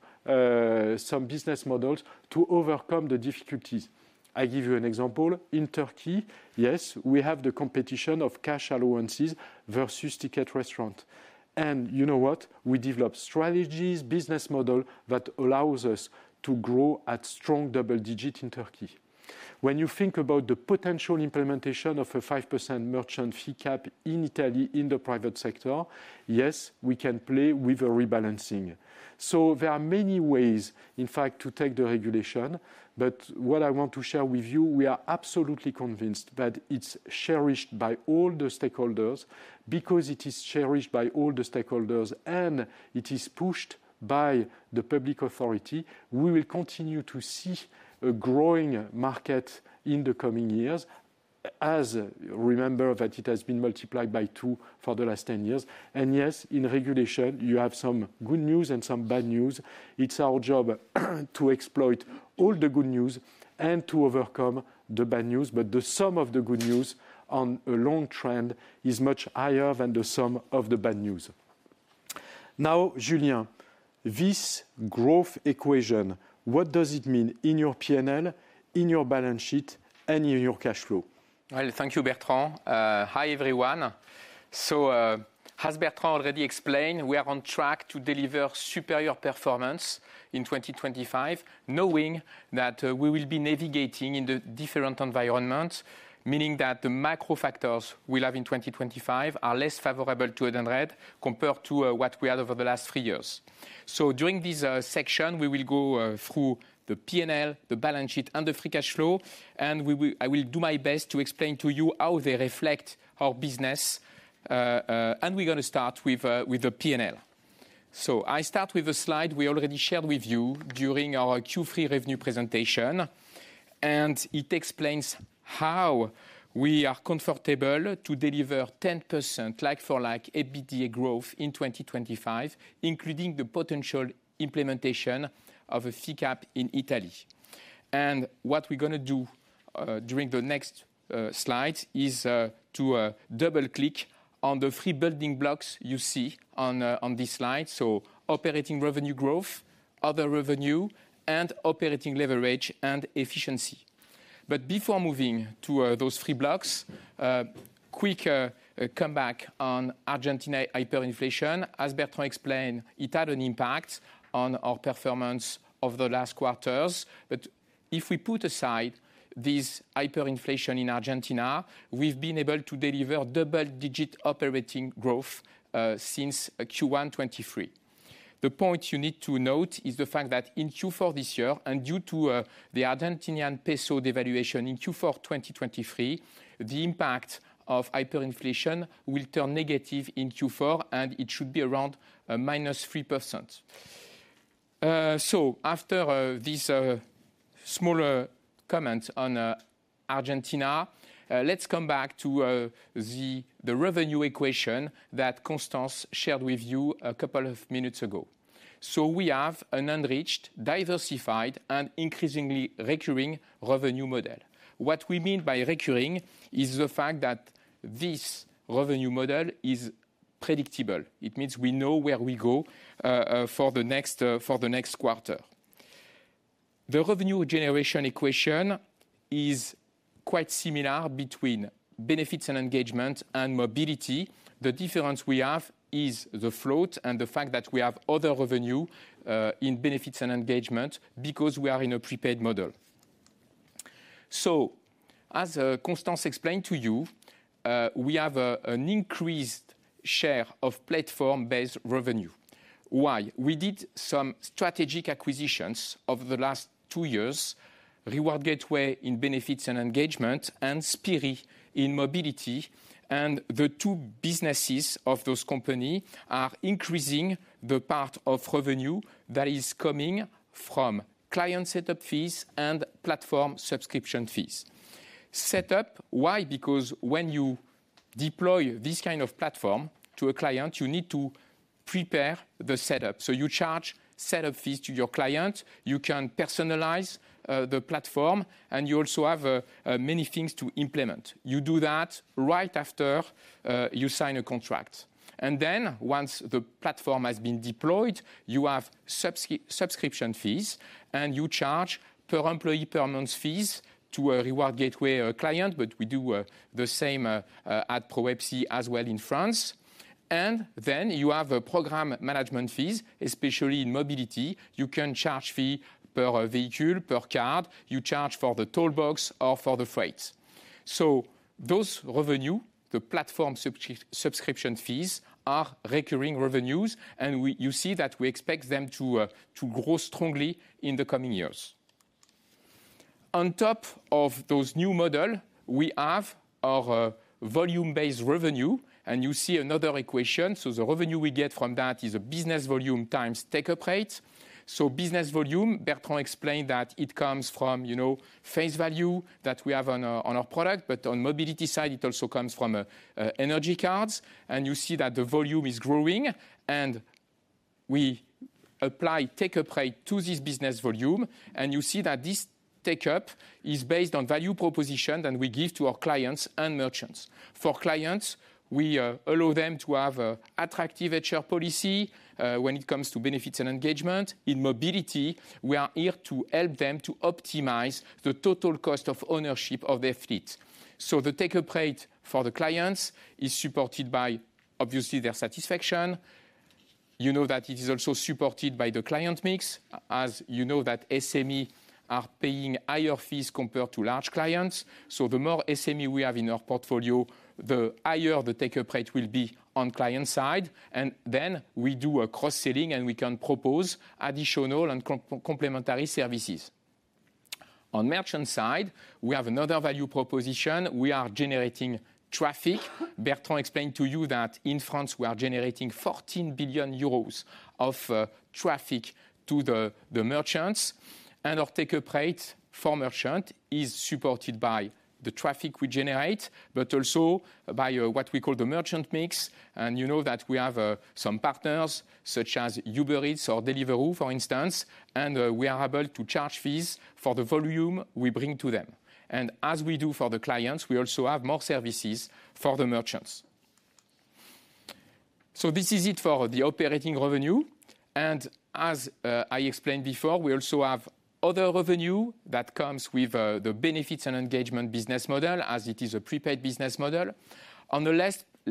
some business models to overcome the difficulties. I give you an example. In Turkey, yes, we have the competition of cash allowances versus Ticket Restaurants, and you know what? We develop strategies, business models that allow us to grow at strong double digits in Turkey. When you think about the potential implementation of a 5% merchant fee cap in Italy in the private sector, yes, we can play with a rebalancing, so there are many ways, in fact, to take the regulation, but what I want to share with you, we are absolutely convinced that it's cherished by all the stakeholders. Because it is cherished by all the stakeholders and it is pushed by the public authority, we will continue to see a growing market in the coming years, as, remember, that it has been multiplied by two for the last 10 years, and yes, in regulation, you have some good news and some bad news. It's our job to exploit all the good news and to overcome the bad news. But the sum of the good news on a long trend is much higher than the sum of the bad news. Now, Julien, this growth equation, what does it mean in your P&L, in your balance sheet, and in your cash flow? Well, thank you, Bertrand. Hi everyone. So as Bertrand already explained, we are on track to deliver superior performance in 2025, knowing that we will be navigating in the different environments, meaning that the macro factors we have in 2025 are less favorable to Edenred compared to what we had over the last three years. So during this section, we will go through the P&L, the balance sheet, and the free cash flow. And I will do my best to explain to you how they reflect our business. We're going to start with the P&L. I start with a slide we already shared with you during our Q3 revenue presentation. It explains how we are comfortable to deliver 10% like-for-like EBITDA growth in 2025, including the potential implementation of a fee cap in Italy. What we're going to do during the next slides is to double-click on the three building blocks you see on this slide. Operating revenue growth, other revenue, and operating leverage and efficiency. Before moving to those three blocks, quick comeback on Argentina hyperinflation. As Bertrand explained, it had an impact on our performance over the last quarters. If we put aside this hyperinflation in Argentina, we've been able to deliver double-digit operating growth since Q1 2023. The point you need to note is the fact that in Q4 this year, and due to the Argentine peso devaluation in Q4 2023, the impact of hyperinflation will turn negative in Q4, and it should be around -3%. So after these smaller comments on Argentina, let's come back to the revenue equation that Constance shared with you a couple of minutes ago. So we have an unmatched, diversified, and increasingly recurring revenue model. What we mean by recurring is the fact that this revenue model is predictable. It means we know where we go for the next quarter. The revenue generation equation is quite similar between Benefits and Engagement and Mobility. The difference we have is the float and the fact that we have other revenue in Benefits and Engagement because we are in a prepaid model. As Constance explained to you, we have an increased share of platform-based revenue. Why? We did some strategic acquisitions over the last two years, Reward Gateway in Benefits and Engagement, and Spirii in Mobility. And the two businesses of those companies are increasing the part of revenue that is coming from client setup fees and platform subscription fees. Setup, why? Because when you deploy this kind of platform to a client, you need to prepare the setup. So you charge setup fees to your client. You can personalize the platform, and you also have many things to implement. You do that right after you sign a contract. And then once the platform has been deployed, you have subscription fees, and you charge per-employee permanence fees to a Reward Gateway client. But we do the same at ProwebCE as well in France. And then you have program management fees, especially in Mobility. You can charge fee per vehicle, per car. You charge for the toll box or for the freight. So those revenue, the platform subscription fees, are recurring revenues, and you see that we expect them to grow strongly in the coming years. On top of those new models, we have our volume-based revenue, and you see another equation. So the revenue we get from that is a business volume times take-up rate. So business volume, Bertrand explained that it comes from face value that we have on our product, but on Mobility side, it also comes from energy cards. And you see that the volume is growing, and we apply take-up rate to this business volume. And you see that this take-up is based on value proposition that we give to our clients and merchants. For clients, we allow them to have an attractive HR policy when it comes to Benefits and Engagement. In Mobility, we are here to help them to optimize the total cost of ownership of their fleet. So the take-up rate for the clients is supported by, obviously, their satisfaction. You know that it is also supported by the client mix, as you know that SMEs are paying higher fees compared to large clients. So the more SMEs we have in our portfolio, the higher the take-up rate will be on client side. And then we do a cross-selling, and we can propose additional and complementary services. On merchant side, we have another value proposition. We are generating traffic. Bertrand explained to you that in France, we are generating 14 billion euros of traffic to the merchants. Our take-up rate for merchants is supported by the traffic we generate, but also by what we call the merchant mix. And you know that we have some partners such as Uber Eats or Deliveroo, for instance, and we are able to charge fees for the volume we bring to them. And as we do for the clients, we also have more services for the merchants. So this is it for the operating revenue. And as I explained before, we also have other revenue that comes with the Benefits and Engagement business model, as it is a prepaid business model. On the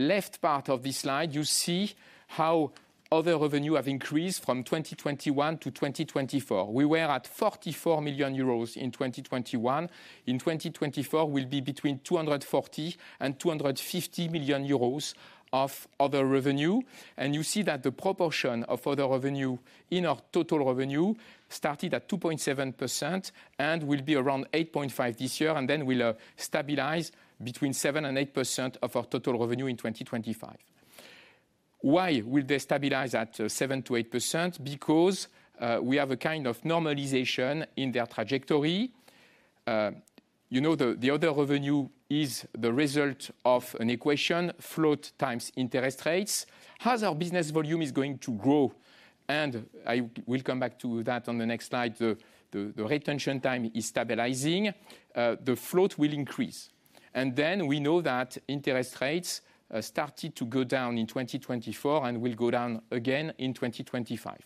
left part of this slide, you see how other revenue has increased from 2021 to 2024. We were at 44 million euros in 2021. In 2024, we'll be between 240 and 250 million euros of other revenue. You see that the proportion of other revenue in our total revenue started at 2.7% and will be around 8.5% this year. Then we'll stabilize between 7% and 8% of our total revenue in 2025. Why will they stabilize at 7%-8%? Because we have a kind of normalization in their trajectory. You know the other revenue is the result of an equation, float times interest rates. As our business volume is going to grow, and I will come back to that on the next slide, the retention time is stabilizing, the float will increase. Then we know that interest rates started to go down in 2024 and will go down again in 2025.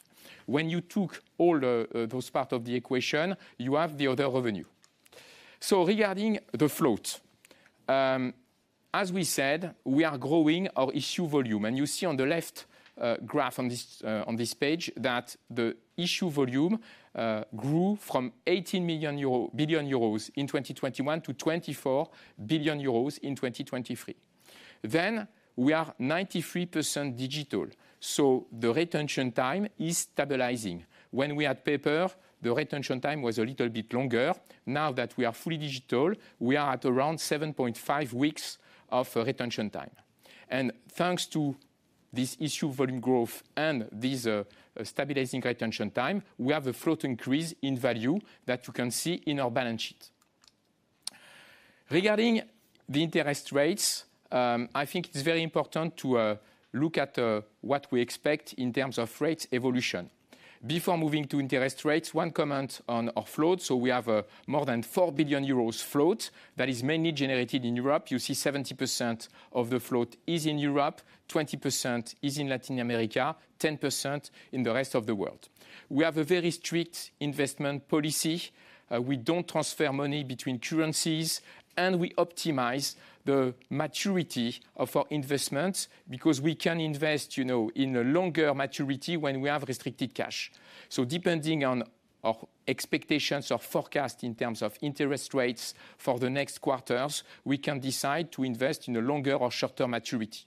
When you took all those parts of the equation, you have the other revenue. So regarding the float, as we said, we are growing our issue volume. You see on the left graph on this page that the issue volume grew from 18 billion euro in 2021 to 24 billion euros in 2023. We are 93% digital. The retention time is stabilizing. When we had paper, the retention time was a little bit longer. Now that we are fully digital, we are at around 7.5 weeks of retention time. Thanks to this issue volume growth and this stabilizing retention time, we have a float increase in value that you can see in our balance sheet. Regarding the interest rates, I think it is very important to look at what we expect in terms of rate evolution. Before moving to interest rates, one comment on our float. We have more than 4 billion euros float that is mainly generated in Europe. You see 70% of the float is in Europe, 20% is in Latin America, 10% in the rest of the world. We have a very strict investment policy. We don't transfer money between currencies, and we optimize the maturity of our investments because we can invest in a longer maturity when we have restricted cash. So depending on our expectations or forecast in terms of interest rates for the next quarters, we can decide to invest in a longer or shorter maturity.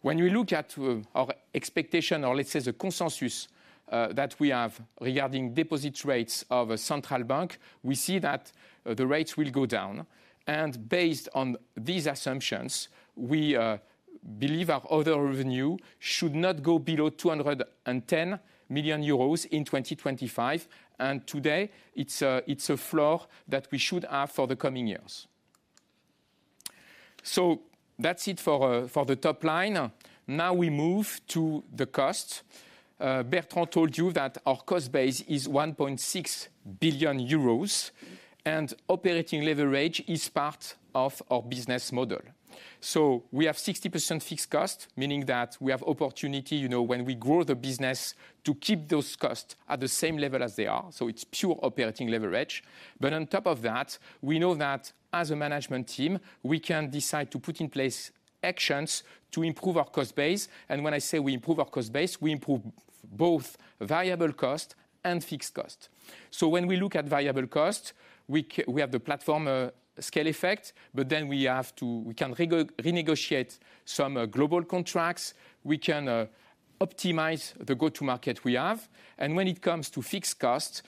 When we look at our expectation, or let's say the consensus that we have regarding deposit rates of a central bank, we see that the rates will go down. And based on these assumptions, we believe our other revenue should not go below 210 million euros in 2025. And today, it's a floor that we should have for the coming years. So that's it for the top line. Now we move to the costs. Bertrand told you that our cost base is 1.6 billion euros, and operating leverage is part of our business model, so we have 60% fixed cost, meaning that we have opportunity when we grow the business to keep those costs at the same level as they are, so it's pure operating leverage. But on top of that, we know that as a management team, we can decide to put in place actions to improve our cost base, and when I say we improve our cost base, we improve both variable cost and fixed cost, so when we look at variable cost, we have the platform scale effect, but then we can renegotiate some global contracts. We can optimize the go-to-market we have. And when it comes to fixed cost,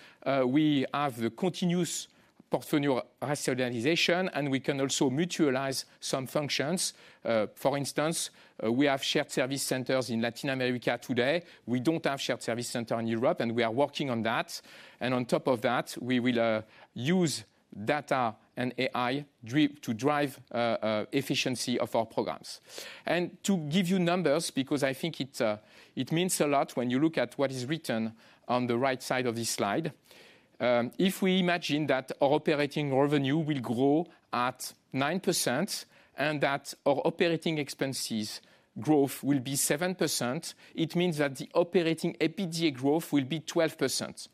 we have the continuous portfolio rationalization, and we can also mutualize some functions. For instance, we have shared service centers in Latin America today. We don't have shared service centers in Europe, and we are working on that. And on top of that, we will use data and AI to drive efficiency of our programs. And to give you numbers, because I think it means a lot when you look at what is written on the right side of this slide, if we imagine that our operating revenue will grow at 9% and that our operating expenses growth will be 7%, it means that the operating EBITDA growth will be 12%.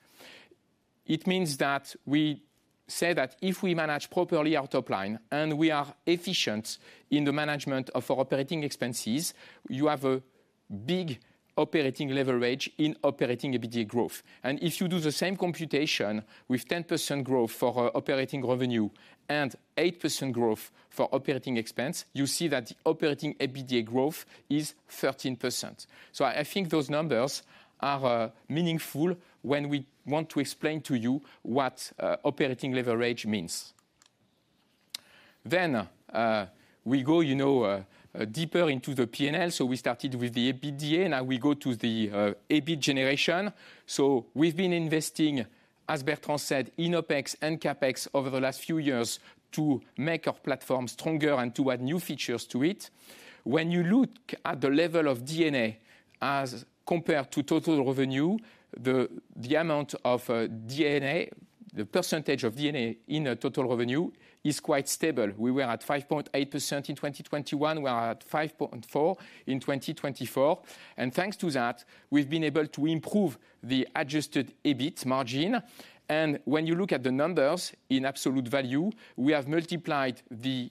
It means that we say that if we manage properly our top line and we are efficient in the management of our operating expenses, you have a big operating leverage in operating EBITDA growth. And if you do the same computation with 10% growth for operating revenue and 8% growth for operating expense, you see that the operating EBITDA growth is 13%. So I think those numbers are meaningful when we want to explain to you what operating leverage means. Then we go deeper into the P&L. So we started with the EBITDA, and now we go to the EBIT generation. So we've been investing, as Bertrand said, in OPEX and CAPEX over the last few years to make our platform stronger and to add new features to it. When you look at the level of D&A as compared to total revenue, the amount of D&A, the percentage of D&A in total revenue is quite stable. We were at 5.8% in 2021. We are at 5.4% in 2024. And thanks to that, we've been able to improve the adjusted EBIT margin. When you look at the numbers in absolute value, we have multiplied the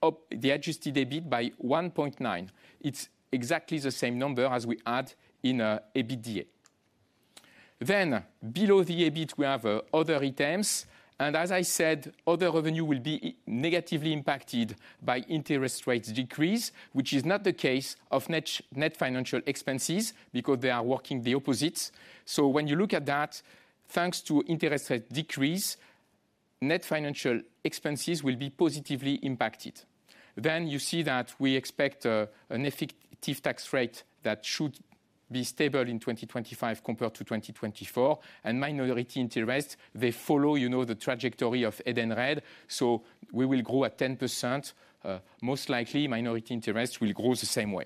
adjusted EBIT by 1.9. It's exactly the same number as we add in EBITDA. Below the EBIT, we have other items. As I said, other revenue will be negatively impacted by interest rates decrease, which is not the case of net financial expenses because they are working the opposite. When you look at that, thanks to interest rate decrease, net financial expenses will be positively impacted. You see that we expect an effective tax rate that should be stable in 2025 compared to 2024. Minority interest, they follow the trajectory of Edenred. We will grow at 10%. Most likely, minority interest will grow the same way.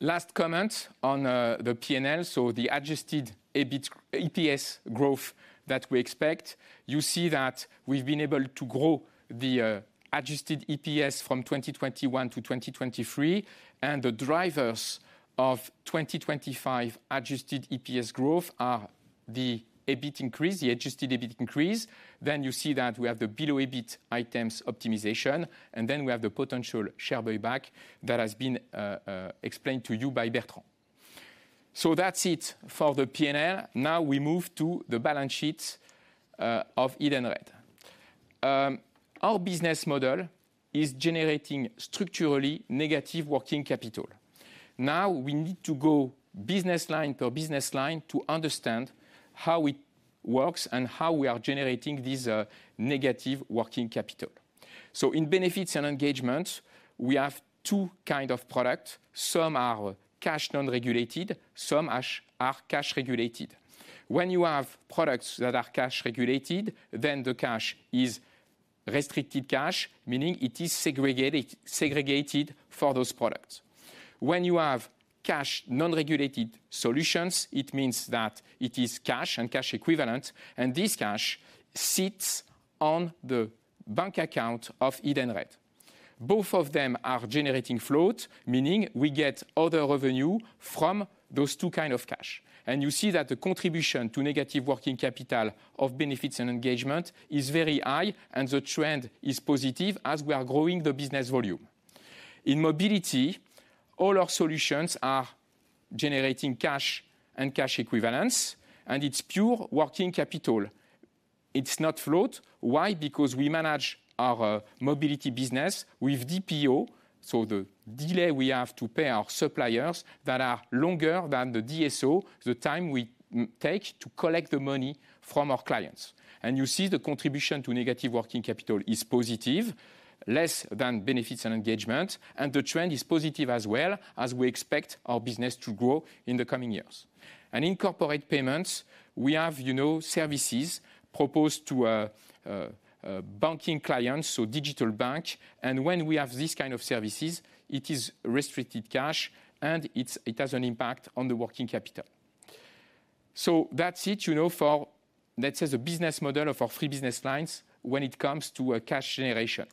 Last comment on the P&L. The adjusted EPS growth that we expect, you see that we've been able to grow the adjusted EPS from 2021 to 2023. The drivers of 2025 adjusted EPS growth are the EBIT increase, the adjusted EBIT increase. You see that we have the below EBIT items optimization, and then we have the potential share buyback that has been explained to you by Bertrand. That's it for the P&L. Now we move to the balance sheet of Edenred. Our business model is generating structurally negative working capital. We need to go business line per business line to understand how it works and how we are generating this negative working capital. In Benefits and Engagement, we have two kinds of products. Some are cash non-regulated, some are cash regulated. When you have products that are cash regulated, then the cash is restricted cash, meaning it is segregated for those products. When you have cash non-regulated solutions, it means that it is cash and cash equivalent, and this cash sits on the bank account of Edenred. Both of them are generating float, meaning we get other revenue from those two kinds of cash. You see that the contribution to negative working capital of Benefits and Engagement is very high, and the trend is positive as we are growing the business volume. In Mobility, all our solutions are generating cash and cash equivalents, and it's pure working capital. It's not float. Why? Because we manage our Mobility business with DPO. The delay we have to pay our suppliers that are longer than the DSO, the time we take to collect the money from our clients. And you see the contribution to negative working capital is positive, less than Benefits and Engagement, and the trend is positive as well as we expect our business to grow in the coming years. And in corporate payments, we have services proposed to banking clients, so digital banking. And when we have these kinds of services, it is restricted cash, and it has an impact on the working capital. So that's it for, let's say, the business model of our three business lines when it comes to cash generation.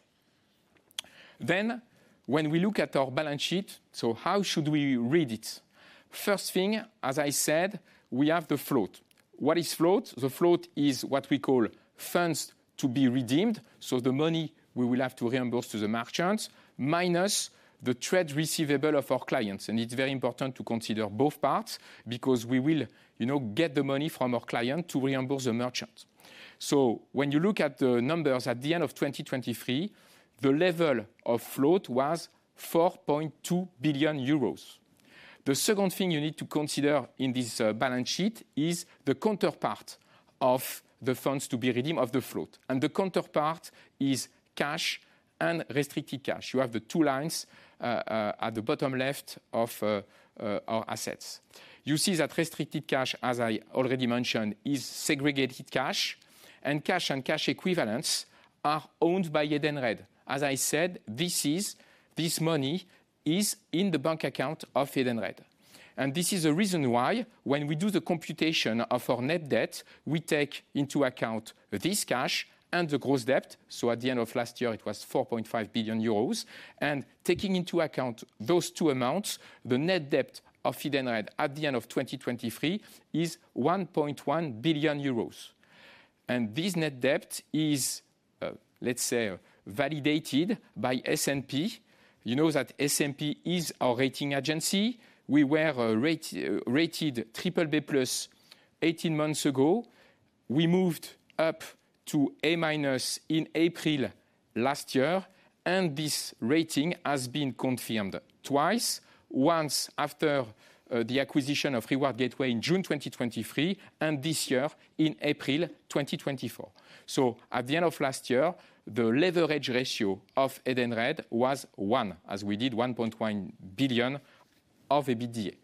Then when we look at our balance sheet, so how should we read it? First thing, as I said, we have the float. What is float? The float is what we call funds to be redeemed, so the money we will have to reimburse to the merchants, minus the trade receivable of our clients. It's very important to consider both parts because we will get the money from our client to reimburse the merchants. When you look at the numbers at the end of 2023, the level of float was 4.2 billion euros. The second thing you need to consider in this balance sheet is the counterpart of the funds to be redeemed of the float. The counterpart is cash and restricted cash. You have the two lines at the bottom left of our assets. You see that restricted cash, as I already mentioned, is segregated cash, and cash and cash equivalents are owned by Edenred. As I said, this money is in the bank account of Edenred. This is the reason why when we do the computation of our net debt, we take into account this cash and the gross debt. At the end of last year, it was 4.5 billion euros. And taking into account those two amounts, the net debt of Edenred at the end of 2023 is 1.1 billion euros. And this net debt is, let's say, validated by S&P. You know that S&P is our rating agency. We were rated BBB+ 18 months ago. We moved up to A minus in April last year, and this rating has been confirmed twice, once after the acquisition of Reward Gateway in June 2023 and this year in April 2024. So at the end of last year, the leverage ratio of Edenred was one, as we did 1.1 billion of EBITDA.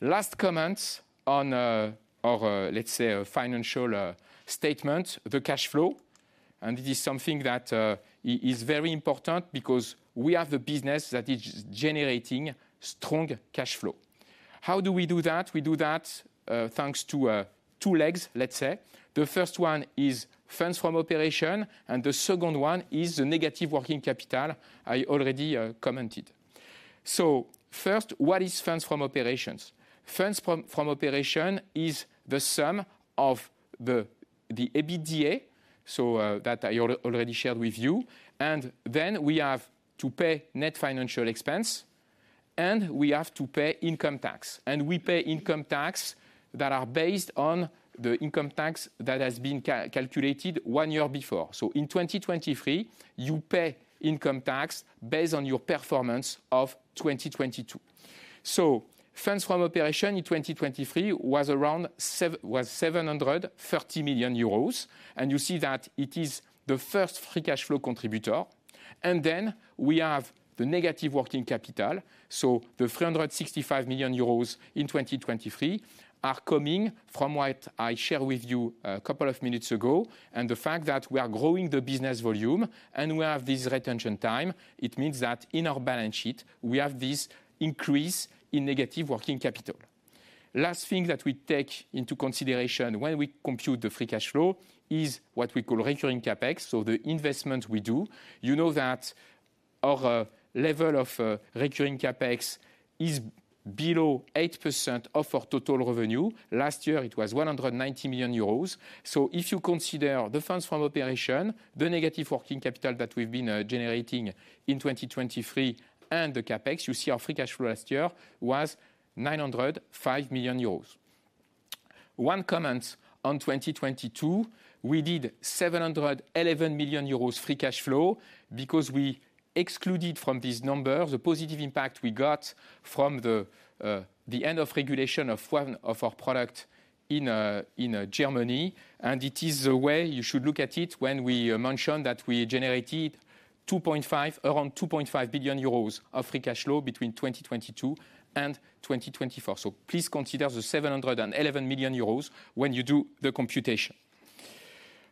Last comments on our, let's say, financial statement, the cash flow. And it is something that is very important because we have a business that is generating strong cash flow. How do we do that? We do that thanks to two legs, let's say. The first one is funds from operations, and the second one is the negative working capital I already commented. So first, what is funds from operations? Funds from operations is the sum of the EBITDA that I already shared with you. And then we have to pay net financial expense, and we have to pay income tax. And we pay income tax that are based on the income tax that has been calculated one year before. So in 2023, you pay income tax based on your performance of 2022. So funds from operations in 2023 was around 730 million euros. And you see that it is the first free cash flow contributor. And then we have the negative working capital. So the 365 million euros in 2023 are coming from what I shared with you a couple of minutes ago. The fact that we are growing the business volume and we have this retention time, it means that in our balance sheet, we have this increase in negative working capital. Last thing that we take into consideration when we compute the free cash flow is what we call recurring CapEx, so the investment we do. You know that our level of recurring CapEx is below 8% of our total revenue. Last year, it was 190 million euros. So if you consider the funds from operation, the negative working capital that we've been generating in 2023, and the CapEx, you see our free cash flow last year was 905 million euros. One comment on 2022, we did 711 million euros free cash flow because we excluded from these numbers the positive impact we got from the end of regulation of our product in Germany. It is the way you should look at it when we mention that we generated around 2.5 billion euros of free cash flow between 2022 and 2024. Please consider the 711 million euros when you do the computation.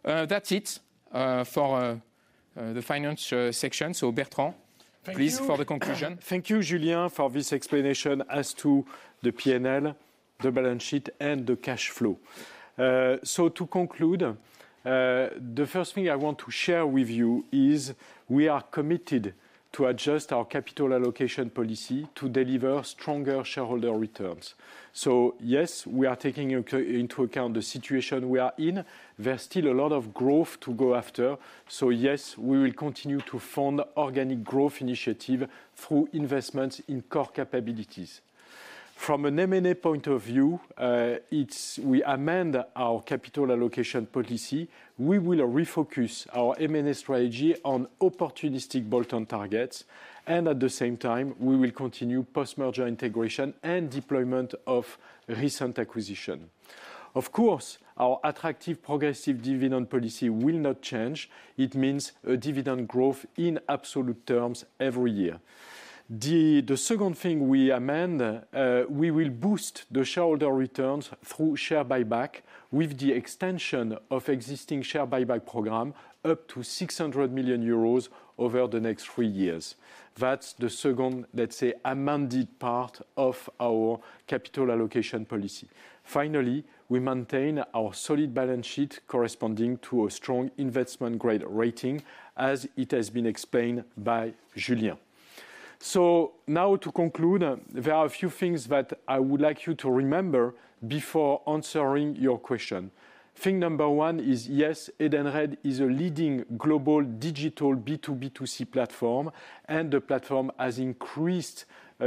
That's it for the finance section. Bertrand, please for the conclusion. Thank you, Julien, for this explanation as to the P&L, the balance sheet, and the cash flow. To conclude, the first thing I want to share with you is we are committed to adjust our capital allocation policy to deliver stronger shareholder returns. Yes, we are taking into account the situation we are in. There's still a lot of growth to go after. Yes, we will continue to fund organic growth initiatives through investments in core capabilities. From an M&A point of view, we amend our capital allocation policy. We will refocus our M&A strategy on opportunistic bolt-on targets, and at the same time, we will continue post-merger integration and deployment of recent acquisitions. Of course, our attractive progressive dividend policy will not change. It means a dividend growth in absolute terms every year. The second thing we amend, we will boost the shareholder returns through share buyback with the extension of existing share buyback program up to 600 million euros over the next three years. That's the second, let's say, amended part of our capital allocation policy. Finally, we maintain our solid balance sheet corresponding to a strong investment grade rating, as it has been explained by Julien, so now to conclude, there are a few things that I would like you to remember before answering your question. Thing number one is yes, Edenred is a leading global digital B2B2C platform, and the platform has increased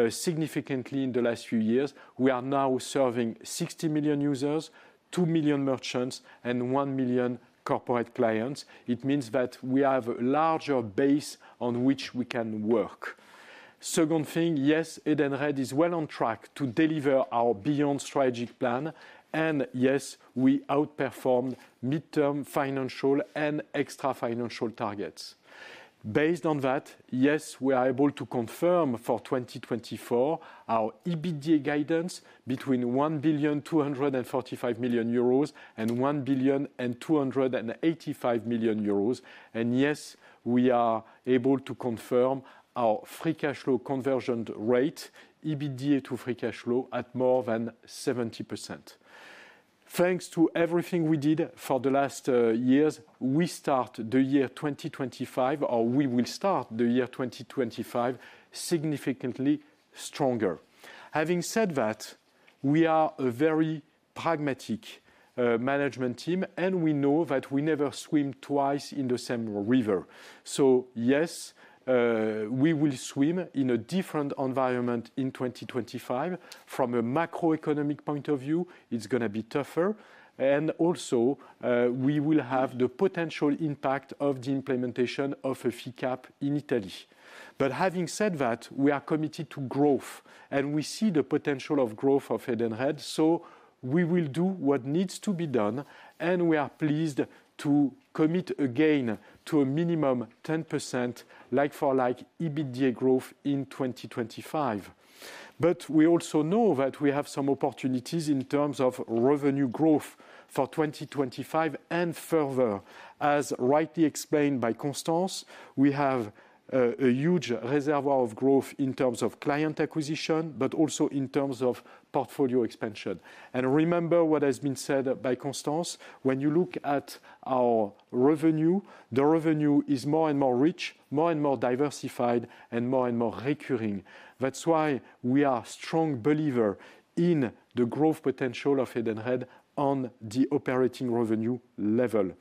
significantly in the last few years. We are now serving 60 million users, 2 million merchants, and 1 million corporate clients. It means that we have a larger base on which we can work. Second thing, yes, Edenred is well on track to deliver our Beyond strategic plan. And yes, we outperformed midterm financial and extrafinancial targets. Based on that, yes, we are able to confirm for 2024 our EBITDA guidance between 1,245 million euros and 1,285 million euros. And yes, we are able to confirm our free cash flow conversion rate, EBITDA to free cash flow at more than 70%. Thanks to everything we did for the last years, we start the year 2025, or we will start the year 2025 significantly stronger. Having said that, we are a very pragmatic management team, and we know that we never swim twice in the same river. So yes, we will swim in a different environment in 2025. From a macroeconomic point of view, it's going to be tougher. And also, we will have the potential impact of the implementation of a fee cap in Italy. But having said that, we are committed to growth, and we see the potential of growth of Edenred. So we will do what needs to be done, and we are pleased to commit again to a minimum 10% like-for-like EBITDA growth in 2025. But we also know that we have some opportunities in terms of revenue growth for 2025 and further. As rightly explained by Constance, we have a huge reservoir of growth in terms of client acquisition, but also in terms of portfolio expansion. And remember what has been said by Constance, when you look at our revenue, the revenue is more and more rich, more and more diversified, and more and more recurring. That's why we are a strong believer in the growth potential of Edenred on the operating revenue level.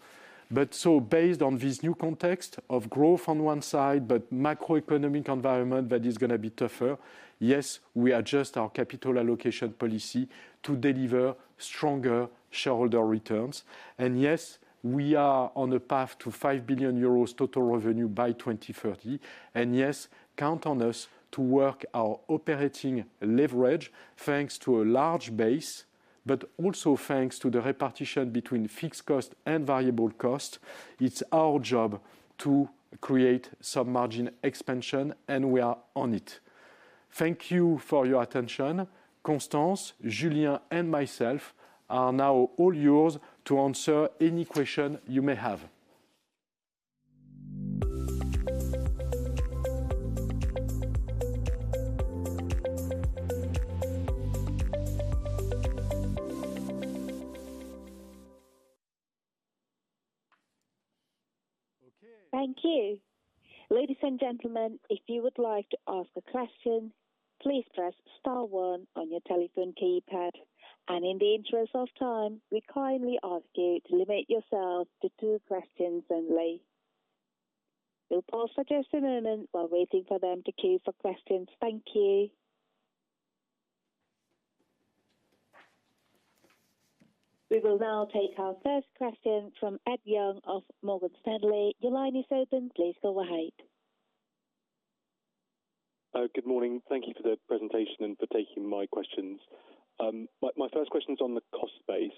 But so based on this new context of growth on one side, but macroeconomic environment that is going to be tougher, yes, we adjust our capital allocation policy to deliver stronger shareholder returns. And yes, we are on a path to 5 billion euros total revenue by 2030. And yes, count on us to work our operating leverage thanks to a large base, but also thanks to the repartition between fixed cost and variable cost. It's our job to create some margin expansion, and we are on it. Thank you for your attention. Constance, Julien, and myself are now all yours to answer any question you may have. Thank you. Ladies and gentlemen, if you would like to ask a question, please press star one on your telephone keypad, and in the interest of time, we kindly ask you to limit yourselves to two questions only. We'll pause for just a moment while waiting for them to queue for questions. Thank you. We will now take our first question from Ed Young of Morgan Stanley. Your line is open. Please go ahead. Good morning. Thank you for the presentation and for taking my questions. My first question is on the cost base.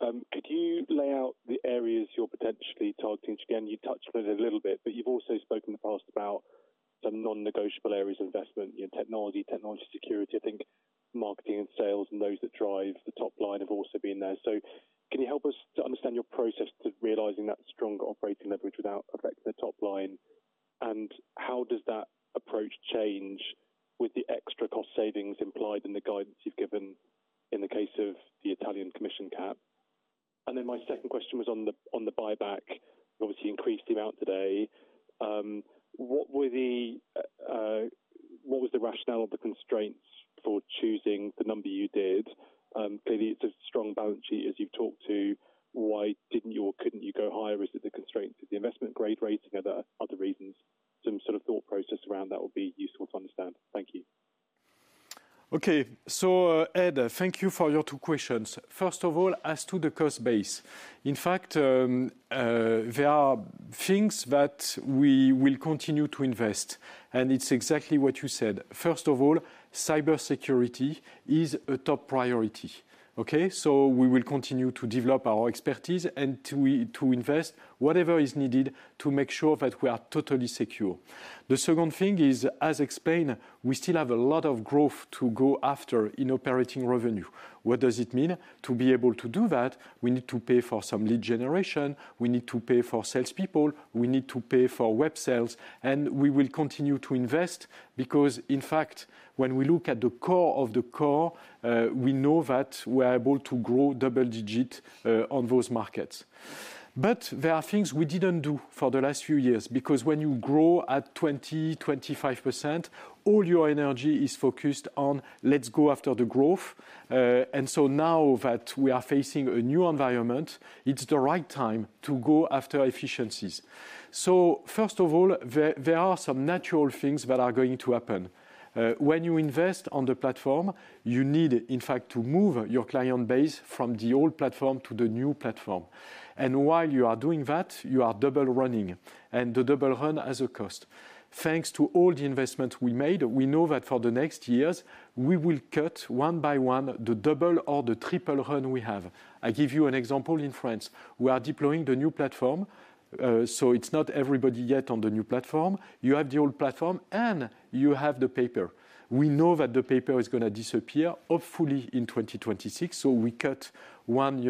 Could you lay out the areas you're potentially targeting? Again, you touched on it a little bit, but you've also spoken in the past about some non-negotiable areas of investment, technology, technology security. I think marketing and sales and those that drive the top line have also been there. So can you help us to understand your process to realizing that stronger operating leverage without affecting the top line? And how does that approach change with the extra cost savings implied in the guidance you've given in the case of the Italian commission cap? And then my second question was on the buyback. You've obviously increased the amount today. What was the rationale of the constraints for choosing the number you did? Clearly, it's a strong balance sheet as you've talked to. Why didn't you or couldn't you go higher? Is it the constraints of the investment grade rating or other reasons? Some sort of thought process around that would be useful to understand. Thank you. Okay. So, Ed, thank you for your two questions. First of all, as to the cost base, in fact, there are things that we will continue to invest. And it's exactly what you said. First of all, cybersecurity is a top priority. Okay? So we will continue to develop our expertise and to invest whatever is needed to make sure that we are totally secure. The second thing is, as explained, we still have a lot of growth to go after in operating revenue. What does it mean? To be able to do that, we need to pay for some lead generation. We need to pay for salespeople. We need to pay for web sales. And we will continue to invest because, in fact, when we look at the core of the core, we know that we are able to grow double digit on those markets. But there are things we didn't do for the last few years because when you grow at 20%-25%, all your energy is focused on, let's go after the growth. And so now that we are facing a new environment, it's the right time to go after efficiencies. So first of all, there are some natural things that are going to happen. When you invest on the platform, you need, in fact, to move your client base from the old platform to the new platform. And while you are doing that, you are double running. And the double run has a cost. Thanks to all the investments we made, we know that for the next years, we will cut one by one the double or the triple run we have. I give you an example in France. We are deploying the new platform. So it's not everybody yet on the new platform. You have the old platform, and you have the paper. We know that the paper is going to disappear hopefully in 2026. So we cut one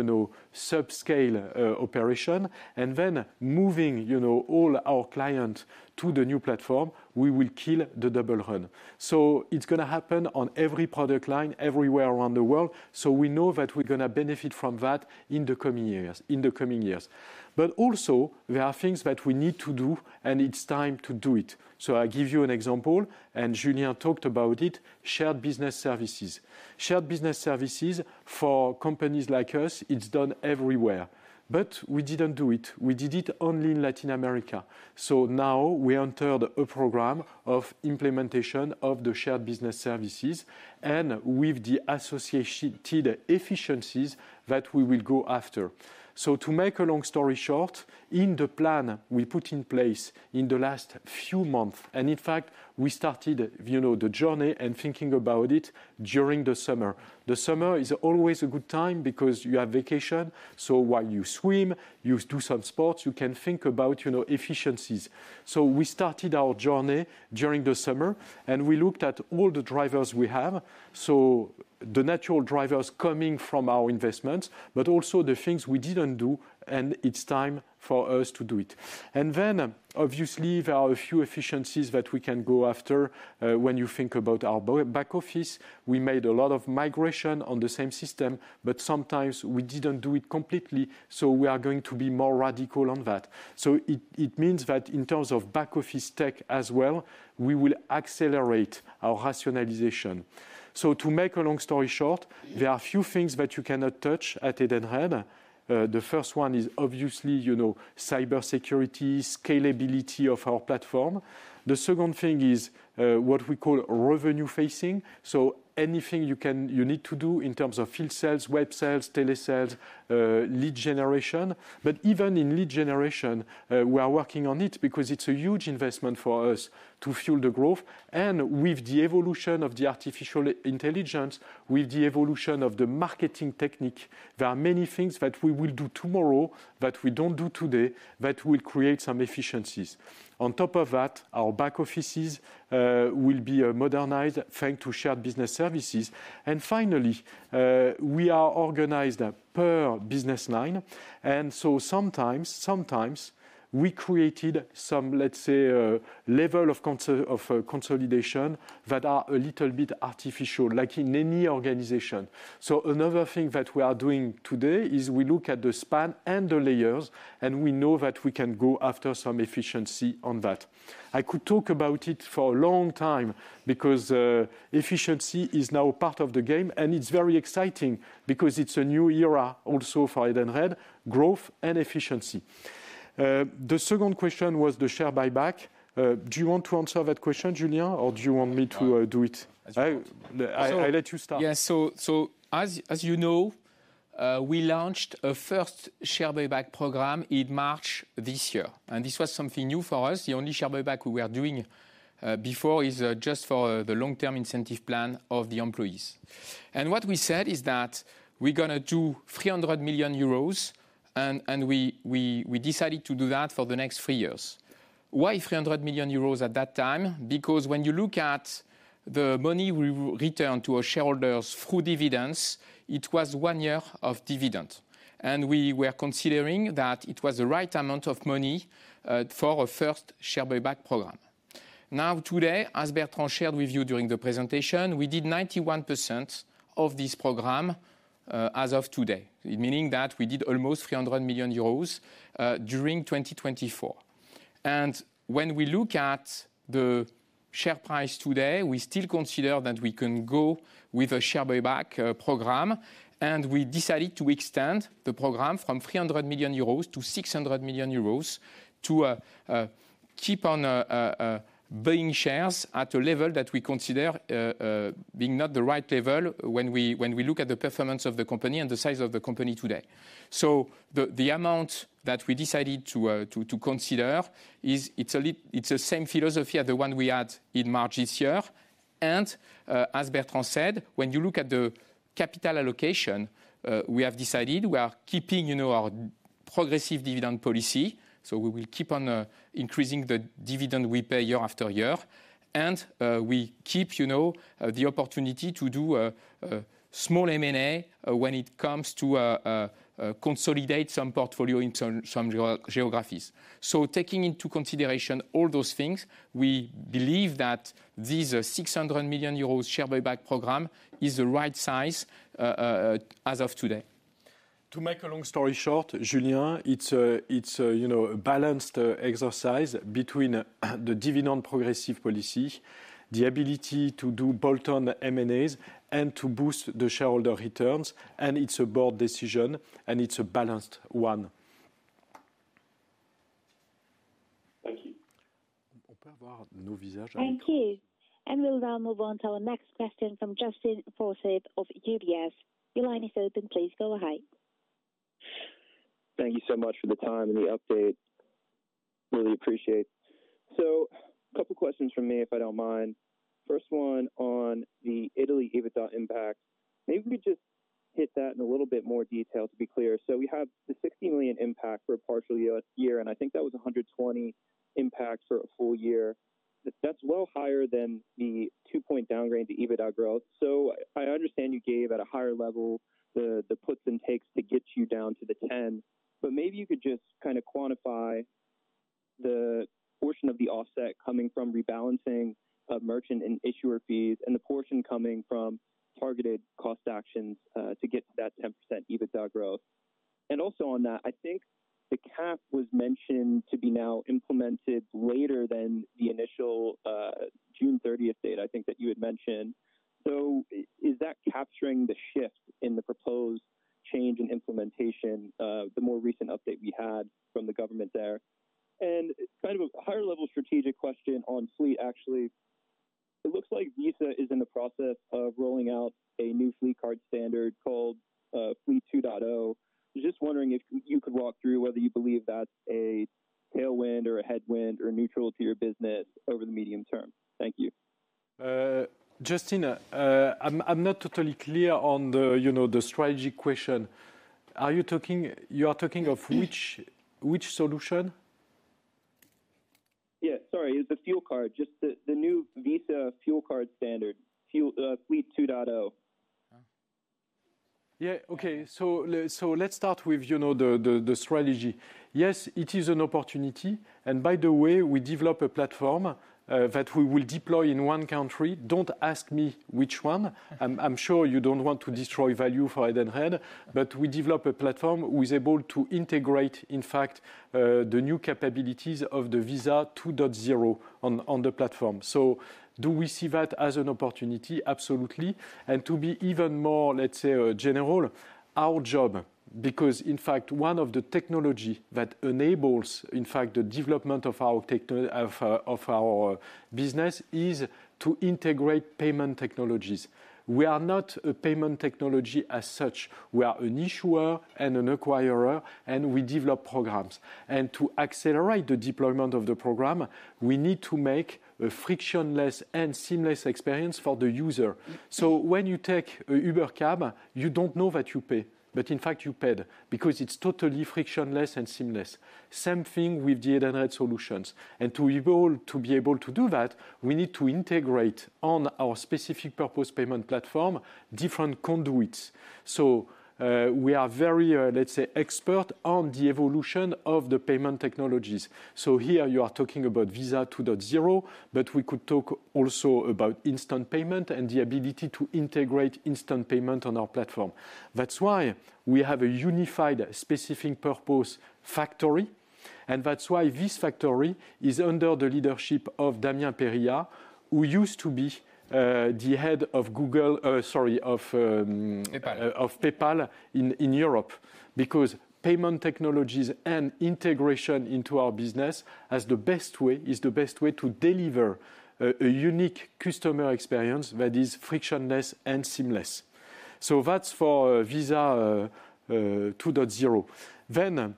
subscale operation. And then moving all our clients to the new platform, we will kill the double run. So it's going to happen on every product line everywhere around the world. So we know that we're going to benefit from that in the coming years. But also, there are things that we need to do, and it's time to do it. So I give you an example, and Julien talked about it, shared business services. Shared business services for companies like us, it's done everywhere. But we didn't do it. We did it only in Latin America. So now we entered a program of implementation of the shared business services and with the associated efficiencies that we will go after. So to make a long story short, in the plan we put in place in the last few months, and in fact, we started the journey and thinking about it during the summer. The summer is always a good time because you have vacation. So while you swim, you do some sports, you can think about efficiencies. So we started our journey during the summer, and we looked at all the drivers we have. So the natural drivers coming from our investments, but also the things we didn't do, and it's time for us to do it. And then, obviously, there are a few efficiencies that we can go after. When you think about our back office, we made a lot of migration on the same system, but sometimes we didn't do it completely. So we are going to be more radical on that. So it means that in terms of back office tech as well, we will accelerate our rationalization. So to make a long story short, there are a few things that you cannot touch at Edenred. The first one is obviously cybersecurity, scalability of our platform. The second thing is what we call revenue facing. So anything you need to do in terms of field sales, web sales, telesales, lead generation. But even in lead generation, we are working on it because it's a huge investment for us to fuel the growth. With the evolution of the artificial intelligence, with the evolution of the marketing technique, there are many things that we will do tomorrow that we don't do today that will create some efficiencies. On top of that, our back offices will be modernized thanks to shared business services. Finally, we are organized per business line. So sometimes we created some, let's say, level of consolidation that are a little bit artificial, like in any organization. Another thing that we are doing today is we look at the span and the layers, and we know that we can go after some efficiency on that. I could talk about it for a long time because efficiency is now part of the game, and it's very exciting because it's a new era also for Edenred, growth and efficiency. The second question was the share buyback. Do you want to answer that question, Julien, or do you want me to do it? I'll let you start. Yeah, so as you know, we launched a first share buyback program in March this year, and this was something new for us. The only share buyback we were doing before is just for the long-term incentive plan of the employees, and what we said is that we're going to do 300 million euros, and we decided to do that for the next three years. Why 300 million euros at that time? Because when you look at the money we returned to our shareholders through dividends, it was one year of dividend, and we were considering that it was the right amount of money for a first share buyback program. Now, today, as Bertrand shared with you during the presentation, we did 91% of this program as of today, meaning that we did almost 300 million euros during 2024. When we look at the share price today, we still consider that we can go with a share buyback program. We decided to extend the program from 300 million euros to 600 million euros to keep on buying shares at a level that we consider being not the right level when we look at the performance of the company and the size of the company today. The amount that we decided to consider is it's the same philosophy as the one we had in March this year. As Bertrand said, when you look at the capital allocation, we have decided we are keeping our progressive dividend policy. We will keep on increasing the dividend we pay year after year. We keep the opportunity to do small M&A when it comes to consolidate some portfolio in some geographies. So taking into consideration all those things, we believe that this 600 million euros share buyback program is the right size as of today. To make a long story short, Julien, it's a balanced exercise between the dividend progressive policy, the ability to do bolt-on M&As, and to boost the shareholder returns. And it's a board decision, and it's a balanced one. Thank you. Thank you. And we'll now move on to our next question from Justin Forsythe of UBS. Your line is open. Please go ahead. Thank you so much for the time and the update. Really appreciate it. So a couple of questions from me, if I don't mind. First one on the Italy EBITDA impact. Maybe we could just hit that in a little bit more detail to be clear. So we have the 60 million impact for a partial year, and I think that was 120 impact for a full year. That's well higher than the two-point downgrade to EBITDA growth. So I understand you gave at a higher level the puts and takes to get you down to the 10. But maybe you could just kind of quantify the portion of the offset coming from rebalancing merchant and issuer fees and the portion coming from targeted cost actions to get to that 10% EBITDA growth. And also on that, I think the cap was mentioned to be now implemented later than the initial June 30th date, I think, that you had mentioned. So is that capturing the shift in the proposed change in implementation, the more recent update we had from the government there? And kind of a higher-level strategic question on fleet, actually. It looks like Visa is in the process of rolling out a new fleet card standard called Fleet 2.0. Just wondering if you could walk through whether you believe that's a tailwind or a headwind or neutral to your business over the medium term. Thank you. Justin, I'm not totally clear on the strategy question. Are you talking of which solution? Yeah. Sorry. It's the fuel card, just the new Visa fuel card standard, Fleet 2.0. Yeah. Okay, so let's start with the strategy. Yes, it is an opportunity. And by the way, we develop a platform that we will deploy in one country. Don't ask me which one. I'm sure you don't want to destroy value for Edenred. But we develop a platform who is able to integrate, in fact, the new capabilities of the Visa 2.0 on the platform. So do we see that as an opportunity? Absolutely. And to be even more, let's say, general, our job, because in fact, one of the technologies that enables, in fact, the development of our business is to integrate payment technologies. We are not a payment technology as such. We are an issuer and an acquirer, and we develop programs. And to accelerate the deployment of the program, we need to make a frictionless and seamless experience for the user. So when you take a Uber cab, you don't know that you pay, but in fact, you paid because it's totally frictionless and seamless. Same thing with the Edenred solutions. And to be able to do that, we need to integrate on our specific purpose payment platform different conduits. So we are very, let's say, expert on the evolution of the payment technologies. So here you are talking about Visa 2.0, but we could talk also about instant payment and the ability to integrate instant payment on our platform. That's why we have a unified specific purpose factory. And that's why this factory is under the leadership of Damien Perillat, who used to be the head of Google, sorry, of PayPal in Europe, because payment technologies and integration into our business is the best way to deliver a unique customer experience that is frictionless and seamless. So that's for Visa 2.0. Then,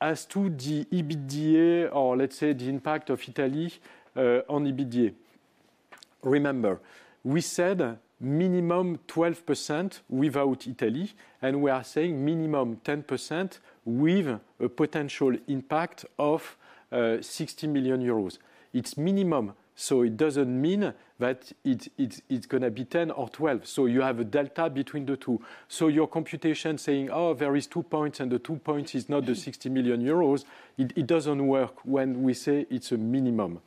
as to the EBITDA or, let's say, the impact of Italy on EBITDA, remember, we said minimum 12% without Italy, and we are saying minimum 10% with a potential impact of 60 million euros. It's minimum, so it doesn't mean that it's going to be 10 or 12. So you have a delta between the two. So your computation saying, "Oh, there are two points," and the two points is not the 60 million euros, it doesn't work when we say it's a minimum.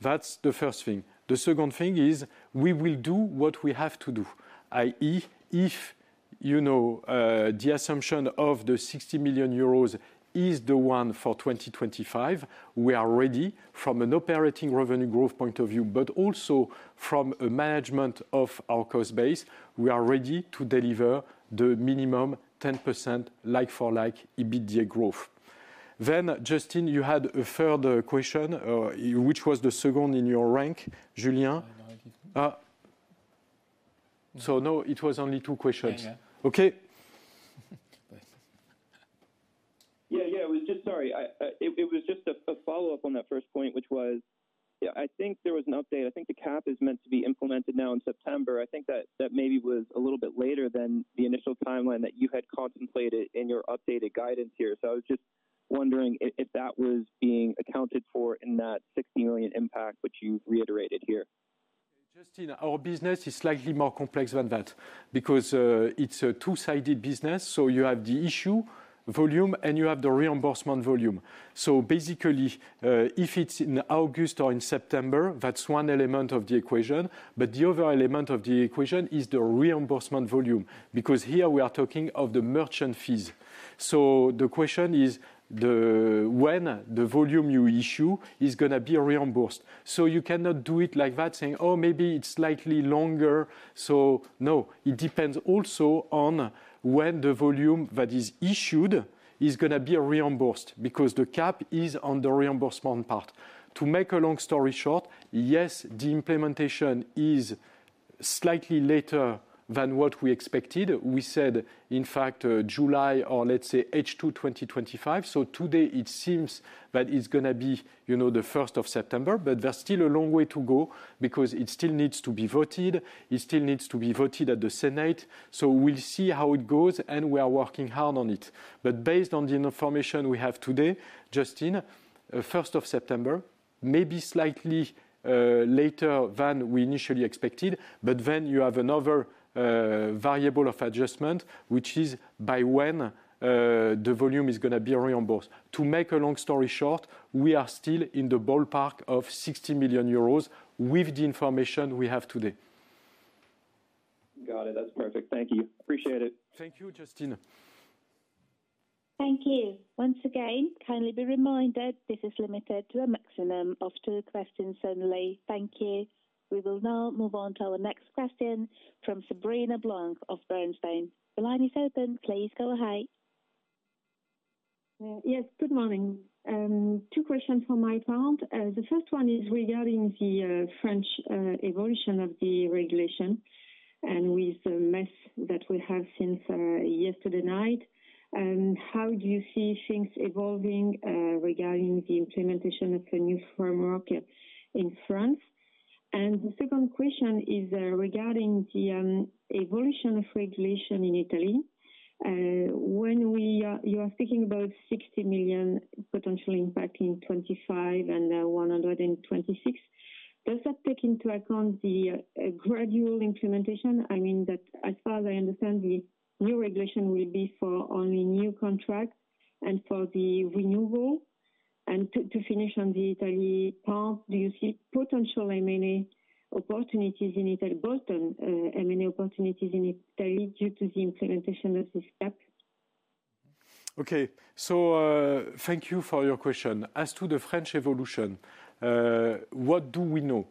That's the first thing. The second thing is we will do what we have to do, i.e., if the assumption of the 60 million euros is the one for 2025, we are ready from an operating revenue growth point of view, but also from a management of our cost base, we are ready to deliver the minimum 10% like-for-like EBITDA growth. Then, Justin, you had a further question, which was the second in your rank, Julien. So no, it was only two questions. Okay. Yeah, yeah. I was just sorry. It was just a follow-up on that first point, which was, yeah, I think there was an update. I think the cap is meant to be implemented now in September. I think that maybe was a little bit later than the initial timeline that you had contemplated in your updated guidance here. So I was just wondering if that was being accounted for in that 60 million impact, which you've reiterated here. Justin, our business is slightly more complex than that because it's a two-sided business. So you have the issue volume, and you have the reimbursement volume. So basically, if it's in August or in September, that's one element of the equation. But the other element of the equation is the reimbursement volume because here we are talking of the merchant fees. So the question is when the volume you issue is going to be reimbursed. So you cannot do it like that, saying, "Oh, maybe it's slightly longer." So no, it depends also on when the volume that is issued is going to be reimbursed because the cap is on the reimbursement part. To make a long story short, yes, the implementation is slightly later than what we expected. We said, in fact, July or, let's say, H2 2025. So today, it seems that it's going to be the 1st of September, but there's still a long way to go because it still needs to be voted. It still needs to be voted at the Senate. So we'll see how it goes, and we are working hard on it. But based on the information we have today, Justin, 1st of September, maybe slightly later than we initially expected, but then you have another variable of adjustment, which is by when the volume is going to be reimbursed. To make a long story short, we are still in the ballpark of 60 million euros with the information we have today. Got it. That's perfect. Thank you. Appreciate it. Thank you, Justin. Thank you. Once again, kindly be reminded, this is limited to a maximum of two questions only. Thank you. We will now move on to our next question from Sabrina Blanc of Bernstein. The line is open. Please go ahead. Yes. Good morning. Two questions for my part. The first one is regarding the French evolution of the regulation and with the mess that we have since yesterday night. How do you see things evolving regarding the implementation of the new framework in France? And the second question is regarding the evolution of regulation in Italy. When you are speaking about 60 million potential impact in 2025 and 2026, does that take into account the gradual implementation? I mean, as far as I understand, the new regulation will be for only new contracts and for the renewal. And to finish on the Italy part, do you see potential M&A opportunities in Italy, bolt-on M&A opportunities in Italy due to the implementation of this cap? Okay. So thank you for your question. As to the French evolution, what do we know?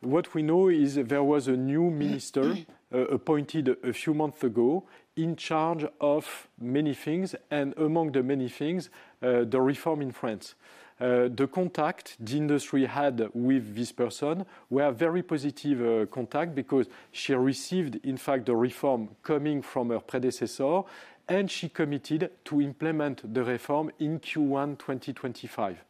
What we know is there was a new minister appointed a few months ago in charge of many things, and among the many things, the reform in France. The contact the industry had with this person was a very positive contact because she received, in fact, the reform coming from her predecessor, and she committed to implement the reform in Q1 2025.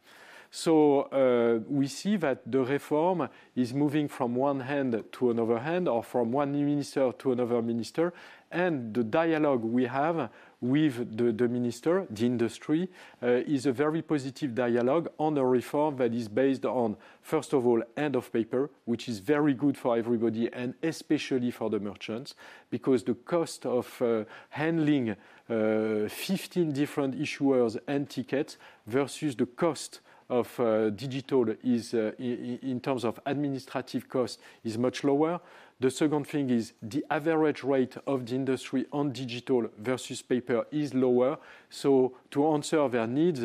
So we see that the reform is moving from one hand to another hand or from one minister to another minister. And the dialogue we have with the minister, the industry, is a very positive dialogue on a reform that is based on, first of all, end of paper, which is very good for everybody, and especially for the merchants, because the cost of handling 15 different issuers and tickets versus the cost of digital in terms of administrative cost is much lower. The second thing is the average rate of the industry on digital versus paper is lower. So to answer their needs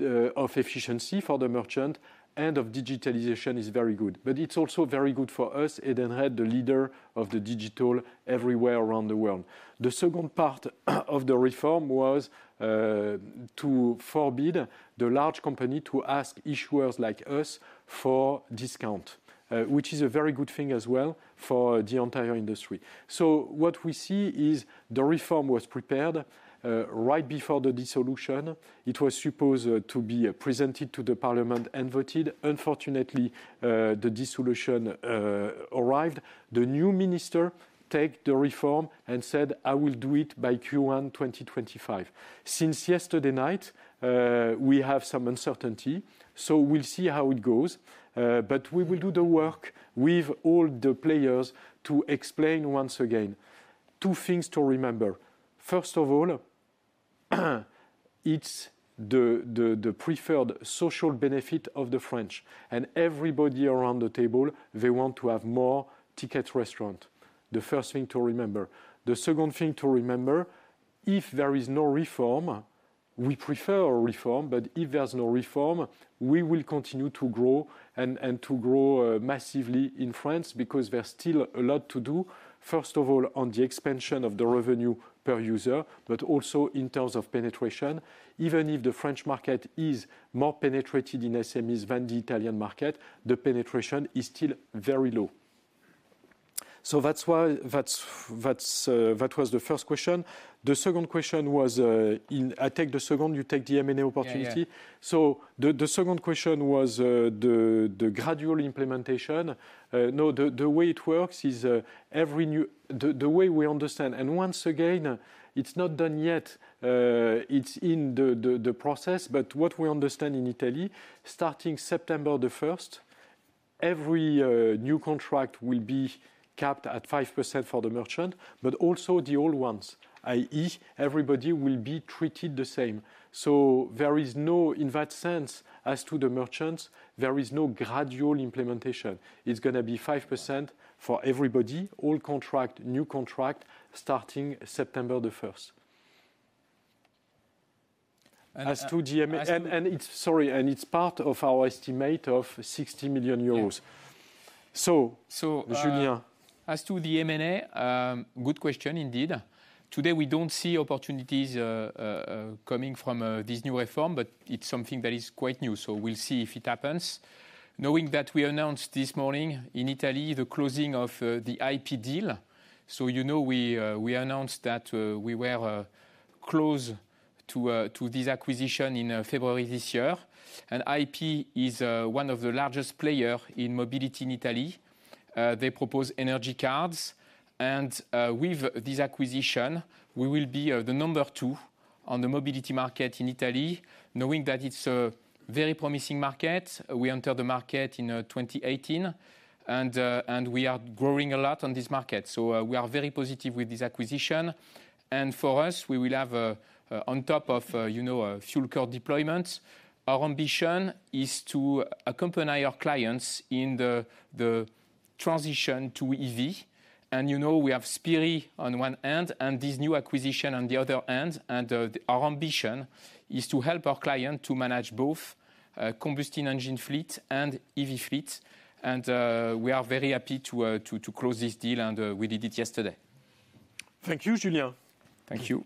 of efficiency for the merchant and of digitalization is very good. But it's also very good for us, Edenred, the leader of the digital everywhere around the world. The second part of the reform was to forbid the large company to ask issuers like us for discount, which is a very good thing as well for the entire industry. So what we see is the reform was prepared right before the dissolution. It was supposed to be presented to the Parliament and voted. Unfortunately, the dissolution arrived. The new minister took the reform and said, "I will do it by Q1 2025." Since yesterday night, we have some uncertainty. So we'll see how it goes. But we will do the work with all the players to explain once again. Two things to remember. First of all, it's the preferred social benefit of the French. And everybody around the table, they want to have more Ticket Restaurants. The first thing to remember. The second thing to remember, if there is no reform, we prefer a reform. But if there's no reform, we will continue to grow and to grow massively in France because there's still a lot to do, first of all, on the expansion of the revenue per user, but also in terms of penetration. Even if the French market is more penetrated in SMEs than the Italian market, the penetration is still very low. So that was the first question. The second question was, I take the second, you take the M&A opportunity. So the second question was the gradual implementation. No, the way it works is every new the way we understand. And once again, it's not done yet. It's in the process. But what we understand in Italy, starting September the 1st, every new contract will be capped at 5% for the merchant, but also the old ones, i.e., everybody will be treated the same. So there is no, in that sense, as to the merchants, there is no gradual implementation. It's going to be 5% for everybody, old contract, new contract, starting September the 1st. As to the M&A and it's part of our estimate of 60 million euros. So, Julien. As to the M&A, good question indeed. Today, we don't see opportunities coming from this new reform, but it's something that is quite new. So we'll see if it happens. Knowing that we announced this morning in Italy the closing of the IP deal. So you know we announced that we were close to this acquisition in February this year. IP is one of the largest players in Mobility in Italy. They propose energy cards. With this acquisition, we will be the number two on the Mobility market in Italy, knowing that it's a very promising market. We entered the market in 2018, and we are growing a lot on this market. We are very positive with this acquisition. For us, we will have, on top of fuel card deployments, our ambition is to accompany our clients in the transition to EV. We have Spirii on one hand and this new acquisition on the other hand. Our ambition is to help our clients to manage both combustion engine fleet and EV fleet. We are very happy to close this deal, and we did it yesterday. Thank you, Julien. Thank you.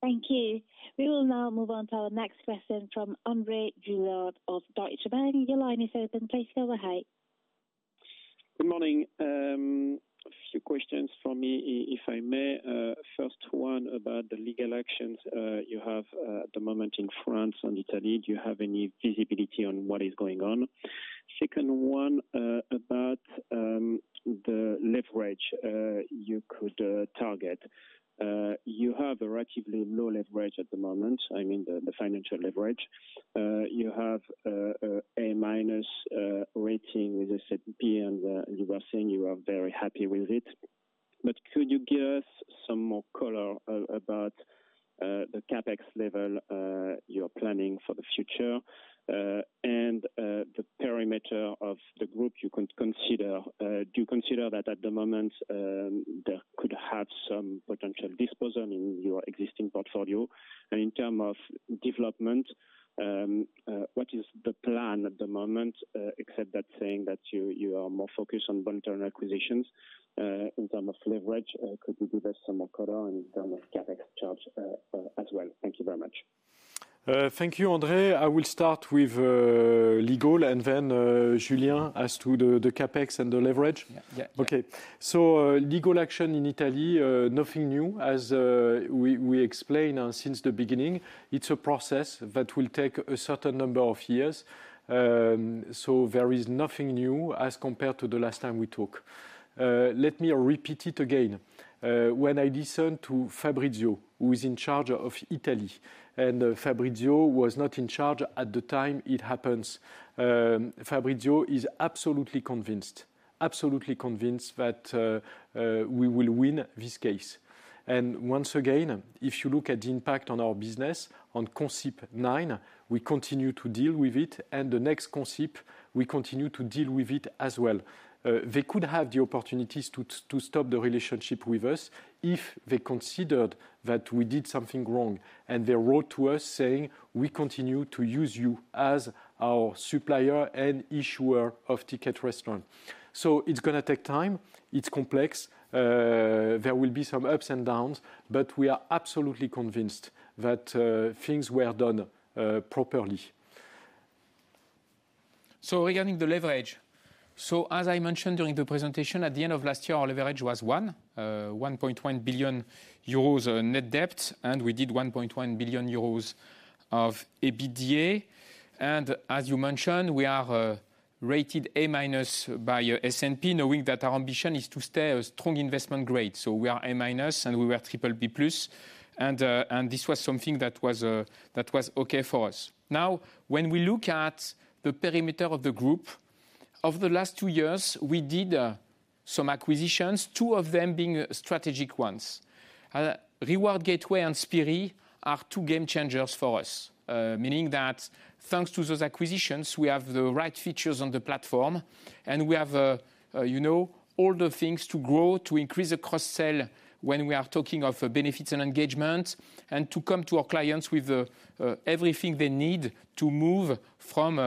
Thank you very much. Thank you. Thank you. We will now move on to our next question from André Juillard of Deutsche Bank. Your line is open. Please go ahead. Good morning. A few questions for me, if I may. First one about the legal actions you have at the moment in France and Italy. Do you have any visibility on what is going on? Second one about the leverage you could target. You have a relatively low leverage at the moment. I mean, the financial leverage. You have an A-minus rating with S&P, and you were saying you are very happy with it. But could you give us some more color about the CapEx level you are planning for the future and the perimeter of the group you could consider? Do you consider that at the moment there could have some potential disposal in your existing portfolio? And in terms of development, what is the plan at the moment, except that saying that you are more focused on voluntary acquisitions in terms of leverage? Could you give us some more color in terms of CapEx charge as well? Thank you very much. Thank you, André. I will start with legal and then Julien as to the CapEx and the leverage. Okay. So legal action in Italy, nothing new, as we explained since the beginning. It's a process that will take a certain number of years. So there is nothing new as compared to the last time we talked. Let me repeat it again. When I listened to Fabrizio, who is in charge of Italy, and Fabrizio was not in charge at the time it happened, Fabrizio is absolutely convinced, absolutely convinced that we will win this case. Once again, if you look at the impact on our business, on Consip, we continue to deal with it. And the next Consip, we continue to deal with it as well. They could have the opportunities to stop the relationship with us if they considered that we did something wrong and they wrote to us saying, "We continue to use you as our supplier and issuer of Ticket Restaurant." So it's going to take time. It's complex. There will be some ups and downs, but we are absolutely convinced that things were done properly. So regarding the leverage, so as I mentioned during the presentation, at the end of last year, our leverage was 1.1 billion euros net debt, and we did 1.1 billion euros of EBITDA. And as you mentioned, we are rated A-minus by S&P, knowing that our ambition is to stay a strong investment grade. So we are A-minus, and we were BBB+. And this was something that was okay for us. Now, when we look at the perimeter of the group, over the last two years, we did some acquisitions, two of them being strategic ones. Reward Gateway and Spirii are two game changers for us, meaning that thanks to those acquisitions, we have the right features on the platform, and we have all the things to grow, to increase the cross-sell when we are talking of Benefits and Engagement, and to come to our clients with everything they need to move from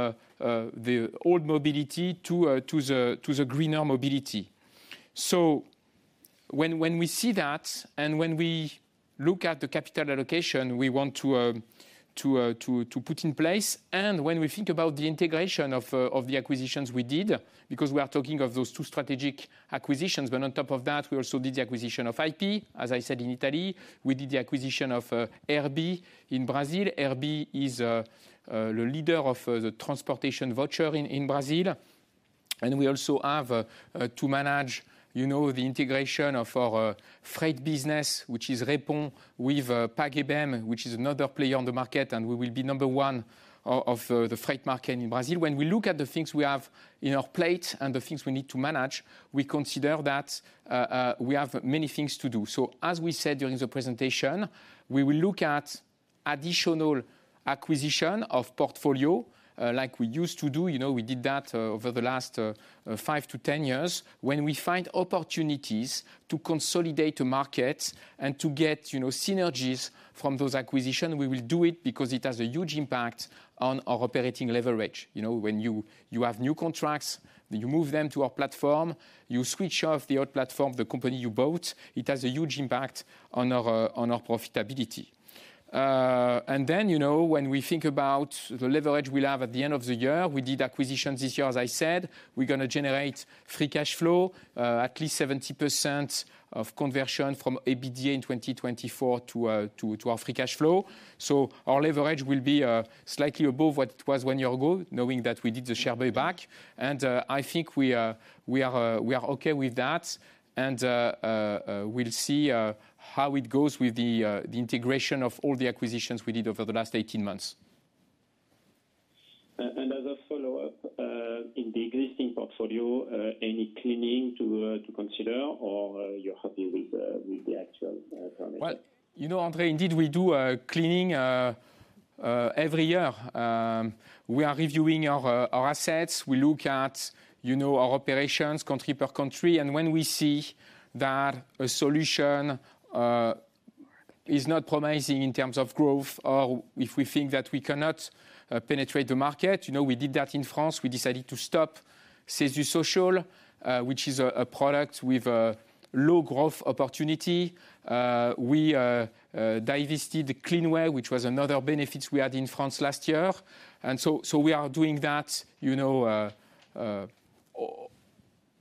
the old Mobility to the greener Mobility. When we see that and when we look at the capital allocation we want to put in place, and when we think about the integration of the acquisitions we did, because we are talking of those two strategic acquisitions, but on top of that, we also did the acquisition of IP, as I said, in Italy. We did the acquisition of RB in Brazil. RB is the leader of the transportation voucher in Brazil. And we also have to manage the integration of our freight business, which is Repom, with PagBem, which is another player on the market, and we will be number one of the freight market in Brazil. When we look at the things we have in our plate and the things we need to manage, we consider that we have many things to do. So as we said during the presentation, we will look at additional acquisition of portfolio like we used to do. We did that over the last five to 10 years. When we find opportunities to consolidate a market and to get synergies from those acquisitions, we will do it because it has a huge impact on our operating leverage. When you have new contracts, you move them to our platform, you switch off the old platform, the company you bought, it has a huge impact on our profitability. And then when we think about the leverage we have at the end of the year, we did acquisitions this year, as I said. We're going to generate free cash flow, at least 70% of conversion from EBITDA in 2024 to our free cash flow. Our leverage will be slightly above what it was one year ago, knowing that we did the share buyback. I think we are okay with that. We'll see how it goes with the integration of all the acquisitions we did over the last 18 months. As a follow-up, in the existing portfolio, any cleaning to consider or you're happy with the actual target? André, indeed, we do cleaning every year. We are reviewing our assets. We look at our operations country per country. When we see that a solution is not promising in terms of growth or if we think that we cannot penetrate the market, we did that in France. We decided to stop CESU Social, which is a product with a low growth opportunity. We divested CleanWay, which was another benefit we had in France last year. And so we are doing that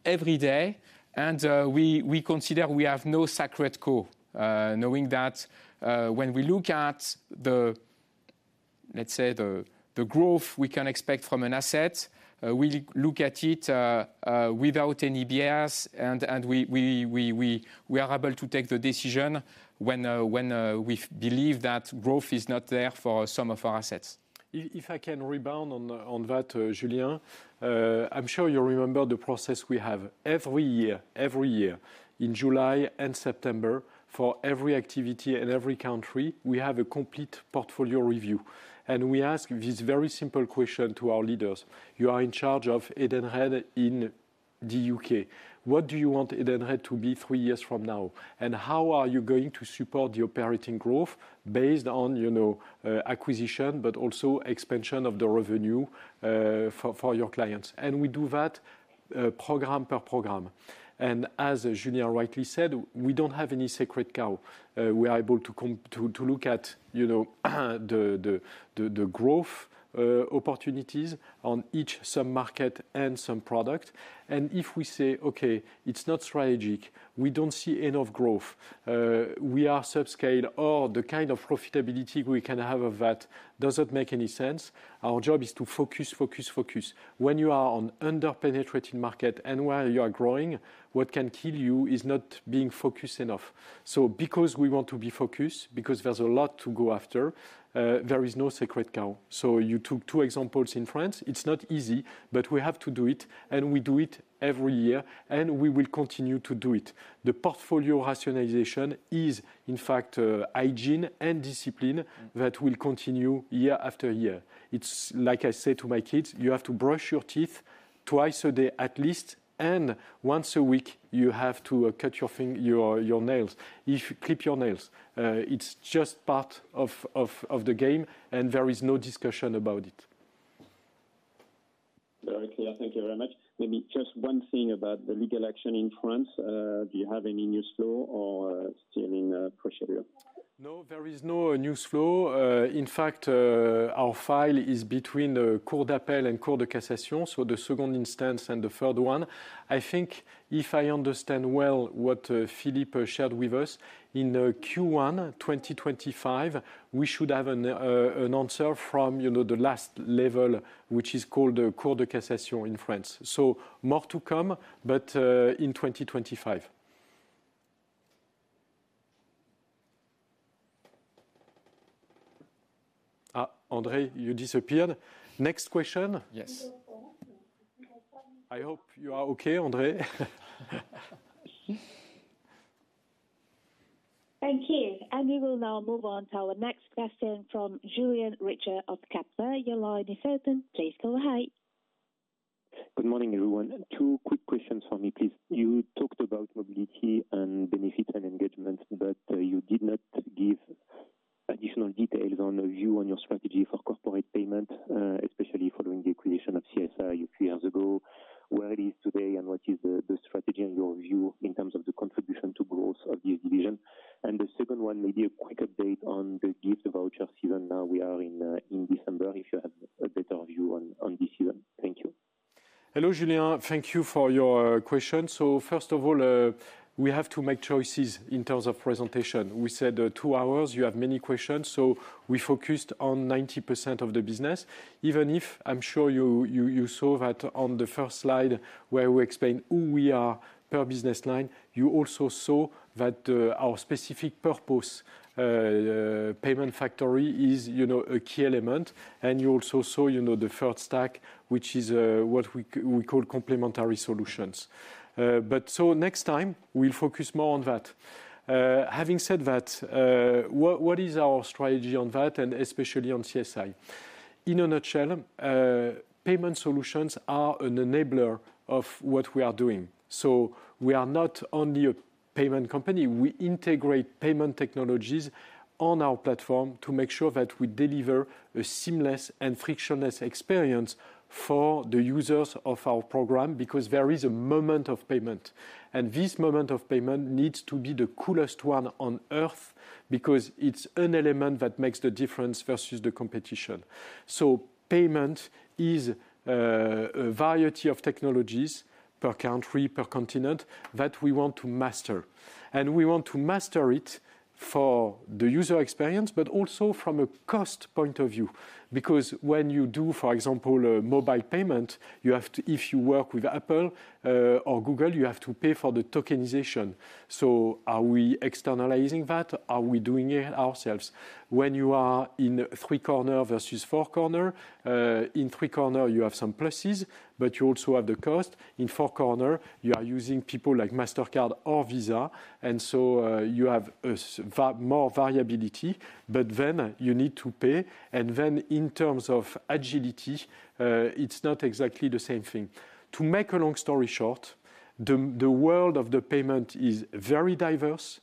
every day. And we consider we have no sacred code, knowing that when we look at the, let's say, the growth we can expect from an asset, we look at it without any bias. And we are able to take the decision when we believe that growth is not there for some of our assets. If I can rebound on that, Julien, I'm sure you remember the process we have every year, every year, in July and September, for every activity in every country, we have a complete portfolio review. And we ask this very simple question to our leaders. You are in charge of Edenred in the U.K. What do you want Edenred to be three years from now? And how are you going to support the operating growth based on acquisition, but also expansion of the revenue for your clients? And we do that program per program. And as Julien rightly said, we don't have any secret sauce. We are able to look at the growth opportunities on each sub-market and sub-product. And if we say, "Okay, it's not strategic. We don't see enough growth. We are subscale," or the kind of profitability we can have of that doesn't make any sense. Our job is to focus, focus, focus. When you are on under-penetrated market and while you are growing, what can kill you is not being focused enough. So because we want to be focused, because there's a lot to go after, there is no secret sauce. So you took two examples in France. It's not easy, but we have to do it. And we do it every year, and we will continue to do it. The portfolio rationalization is, in fact, hygiene and discipline that will continue year after year. It's like I say to my kids, "You have to brush your teeth twice a day at least, and once a week, you have to cut your nails, clip your nails." It's just part of the game, and there is no discussion about it. Very clear. Thank you very much. Maybe just one thing about the legal action in France. Do you have any news flow or still in procedure? No, there is no news flow. In fact, our file is between the Cour d'appel and Cour de cassation, so the second instance and the third one. I think, if I understand well what Philippe shared with us, in Q1 2025, we should have an answer from the last level, which is called the Cour de cassation in France.So more to come, but in 2025. André, you disappeared. Next question. Yes. I hope you are okay, André. Thank you. And we will now move on to our next question from Julien Richer of Kepler. Your line is open. Please go ahead. Good morning, everyone. Two quick questions for me, please. You talked about Mobility and Benefits and Engagement, but you did not give additional details on a view on your strategy for corporate payment, especially following the acquisition of CSI a few years ago. Where it is today and what is the strategy and your view in terms of the contribution to growth of this division? And the second one, maybe a quick update on the gift voucher season. Now we are in December. If you have a better view on this season, thank you. Hello, Julien. Thank you for your question. So first of all, we have to make choices in terms of presentation. We said two hours. You have many questions. So we focused on 90% of the business. Even if I'm sure you saw that on the first slide where we explained who we are per business line, you also saw that our specific purpose payment factory is a key element, and you also saw the third stack, which is what we call Complementary Solutions, but so next time, we'll focus more on that. Having said that, what is our strategy on that, and especially on CSI? In a nutshell, payment solutions are an enabler of what we are doing. So we are not only a payment company. We integrate payment technologies on our platform to make sure that we deliver a seamless and frictionless experience for the users of our program because there is a moment of payment. And this moment of payment needs to be the coolest one on earth because it's an element that makes the difference versus the competition. So payment is a variety of technologies per country, per continent that we want to master. And we want to master it for the user experience, but also from a cost point of view. Because when you do, for example, mobile payment, if you work with Apple or Google, you have to pay for the tokenization. So are we externalizing that? Are we doing it ourselves? When you are in three-corner versus four-corner, in three-corner, you have some pluses, but you also have the cost. In four-corner, you are using people like Mastercard or Visa. And so you have more variability, but then you need to pay. And then in terms of agility, it's not exactly the same thing. To make a long story short, the world of the payment is very diverse,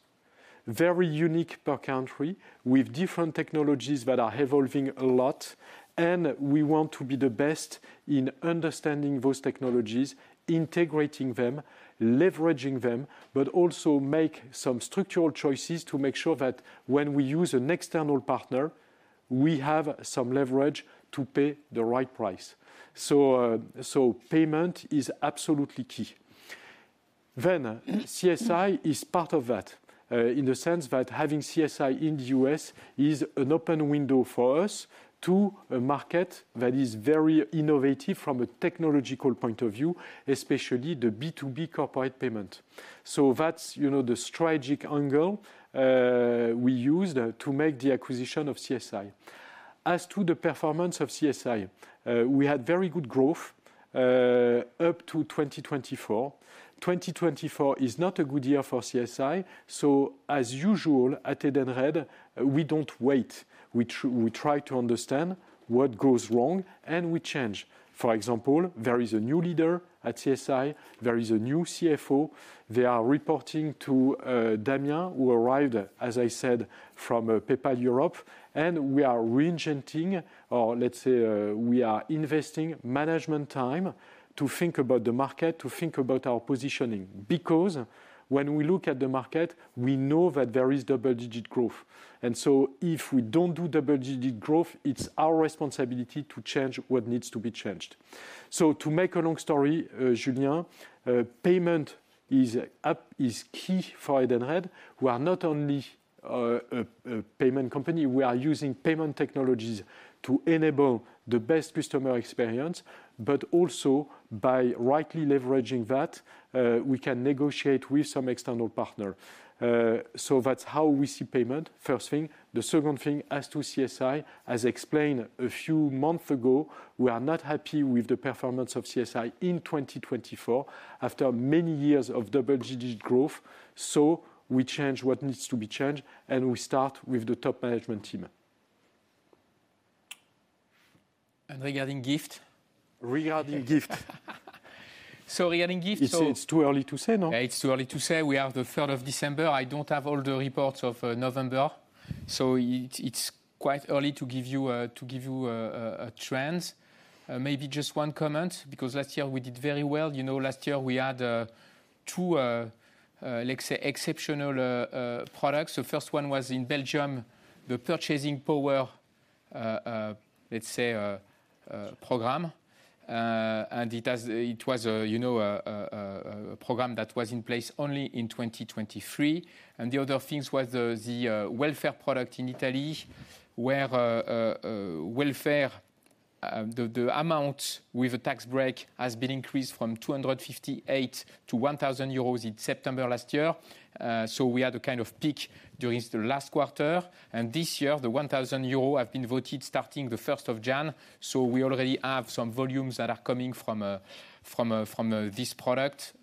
very unique per country, with different technologies that are evolving a lot. And we want to be the best in understanding those technologies, integrating them, leveraging them, but also make some structural choices to make sure that when we use an external partner, we have some leverage to pay the right price. So payment is absolutely key. Then CSI is part of that in the sense that having CSI in the US is an open window for us to a market that is very innovative from a technological point of view, especially the B2B corporate payment. So that's the strategic angle we used to make the acquisition of CSI. As to the performance of CSI, we had very good growth up to 2024. 2024 is not a good year for CSI. So as usual at Edenred, we don't wait. We try to understand what goes wrong, and we change. For example, there is a new leader at CSI. There is a new CFO. They are reporting to Damien, who arrived, as I said, from PayPal Europe. And we are reinventing, or let's say we are investing management time to think about the market, to think about our positioning. Because when we look at the market, we know that there is double-digit growth. And so if we don't do double-digit growth, it's our responsibility to change what needs to be changed. So to make a long story, Julien, payment is key for Edenred. We are not only a payment company. We are using payment technologies to enable the best customer experience, but also by rightly leveraging that, we can negotiate with some external partner. So that's how we see payment, first thing. The second thing, as to CSI, as explained a few months ago, we are not happy with the performance of CSI in 2024 after many years of double-digit growth, so we change what needs to be changed, and we start with the top management team. And regarding gift? Regarding gift. It's too early to say, no? Yeah it's early to say. We have the 3rd of December. I don't have all the reports of November, so it's quite early to give you a trend. Maybe just one comment, because last year we did very well. Last year, we had two, let's say, exceptional products. The first one was in Belgium, the purchasing power, let's say, program, and it was a program that was in place only in 2023. The other thing was the welfare product in Italy, where welfare, the amount with a tax break, has been increased from 258-1,000 euros in September last year. So we had a kind of peak during the last quarter. This year, the 1,000 euros have been voted starting the 1st of January. So we already have some volumes that are coming from this product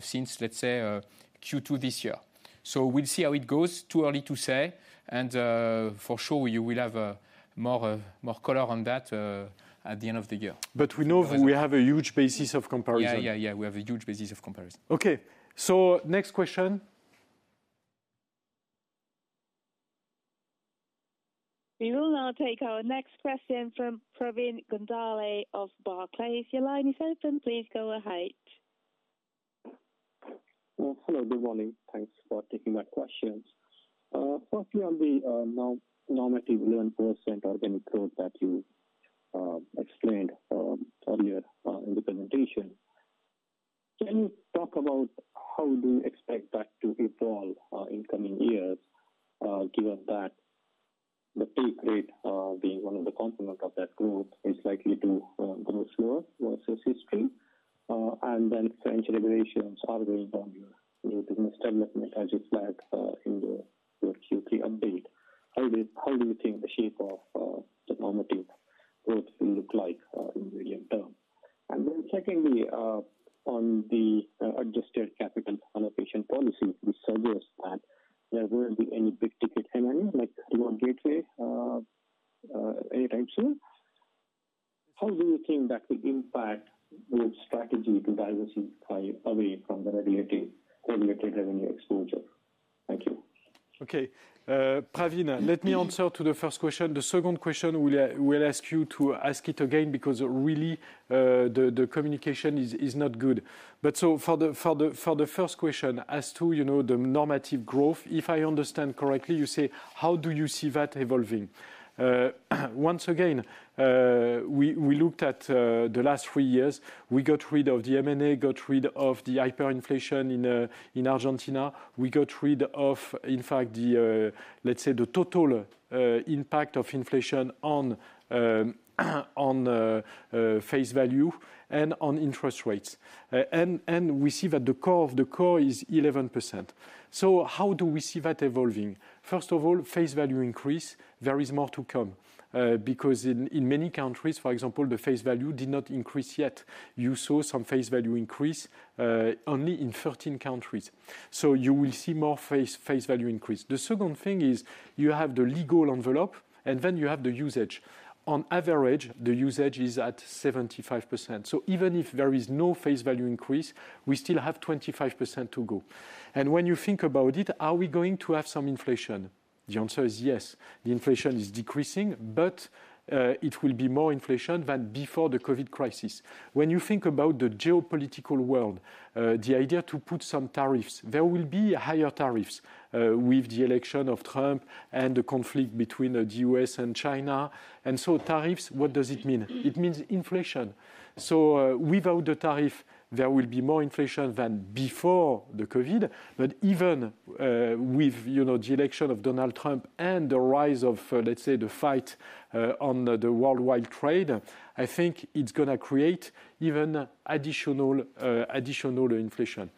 since, let's say, Q2 this year. So we'll see how it goes. Too early to say. For sure, you will have more color on that at the end of the year. But we know we have a huge basis of comparison. Yeah, yeah, yeah. We have a huge basis of comparison. Okay. So next question. We will now take our next question from Pravin Gondhale of Barclays. Your line is open. Please go ahead. Hello. Good morning. Thanks for taking my question. Firstly, on the nominal 11% organic growth that you explained earlier in the presentation, can you talk about how do you expect that to evolve in coming years, given that the pay growth being one of the components of that growth is likely to grow slower versus history? And then French regulations are weighing on your new business development, as you flagged in your Q3 update. How do you think the shape of the nominal growth will look like in the medium term? And then secondly, on the adjusted capital allocation policy, we suggest that there won't be any big ticket M&A, like Reward Gateway, anytime soon. How do you think that will impact your strategy to diversify away from the regulated revenue? Okay. Pravin, let me answer to the first question. The second question, we'll ask you to ask it again because really the communication is not good, but so for the first question, as to the organic growth, if I understand correctly, you say, how do you see that evolving? Once again, we looked at the last three years. We got rid of the M&A, got rid of the hyperinflation in Argentina. We got rid of, in fact, let's say, the total impact of inflation on face value and on interest rates, and we see that the core of the core is 11%. So how do we see that evolving? First of all, face value increase, there is more to come. Because in many countries, for example, the face value did not increase yet. You saw some face value increase only in 13 countries. So you will see more face value increase. The second thing is you have the legal envelope, and then you have the usage. On average, the usage is at 75%. So even if there is no face value increase, we still have 25% to go. And when you think about it, are we going to have some inflation? The answer is yes. The inflation is decreasing, but it will be more inflation than before the COVID crisis. When you think about the geopolitical world, the idea to put some tariffs, there will be higher tariffs with the election of Trump and the conflict between the U.S. and China. And so tariffs, what does it mean? It means inflation. So without the tariff, there will be more inflation than before the COVID. But even with the election of Donald Trump and the rise of, let's say, the fight on the worldwide trade, I think it's going to create even additional inflation.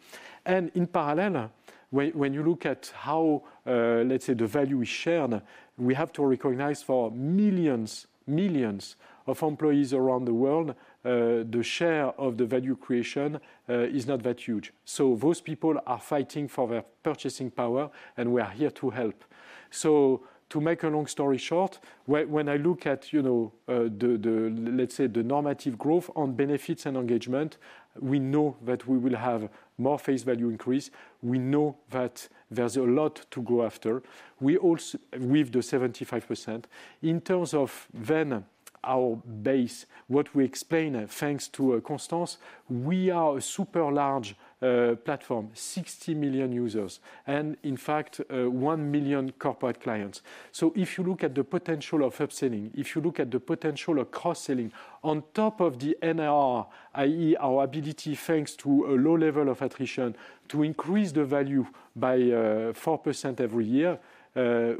And in parallel, when you look at how, let's say, the value is shared, we have to recognize for millions, millions of employees around the world, the share of the value creation is not that huge. So those people are fighting for their purchasing power, and we are here to help. So to make a long story short, when I look at, let's say, the normative growth on Benefits and Engagement, we know that we will have more face value increase. We know that there's a lot to go after. We also with the 75%. In terms of then our base, what we explain thanks to Constance, we are a super large platform, 60 million users, and in fact, 1 million corporate clients. So if you look at the potential of upselling, if you look at the potential of cross-selling on top of the NRR, i.e., our ability thanks to a low level of attrition to increase the value by 4% every year,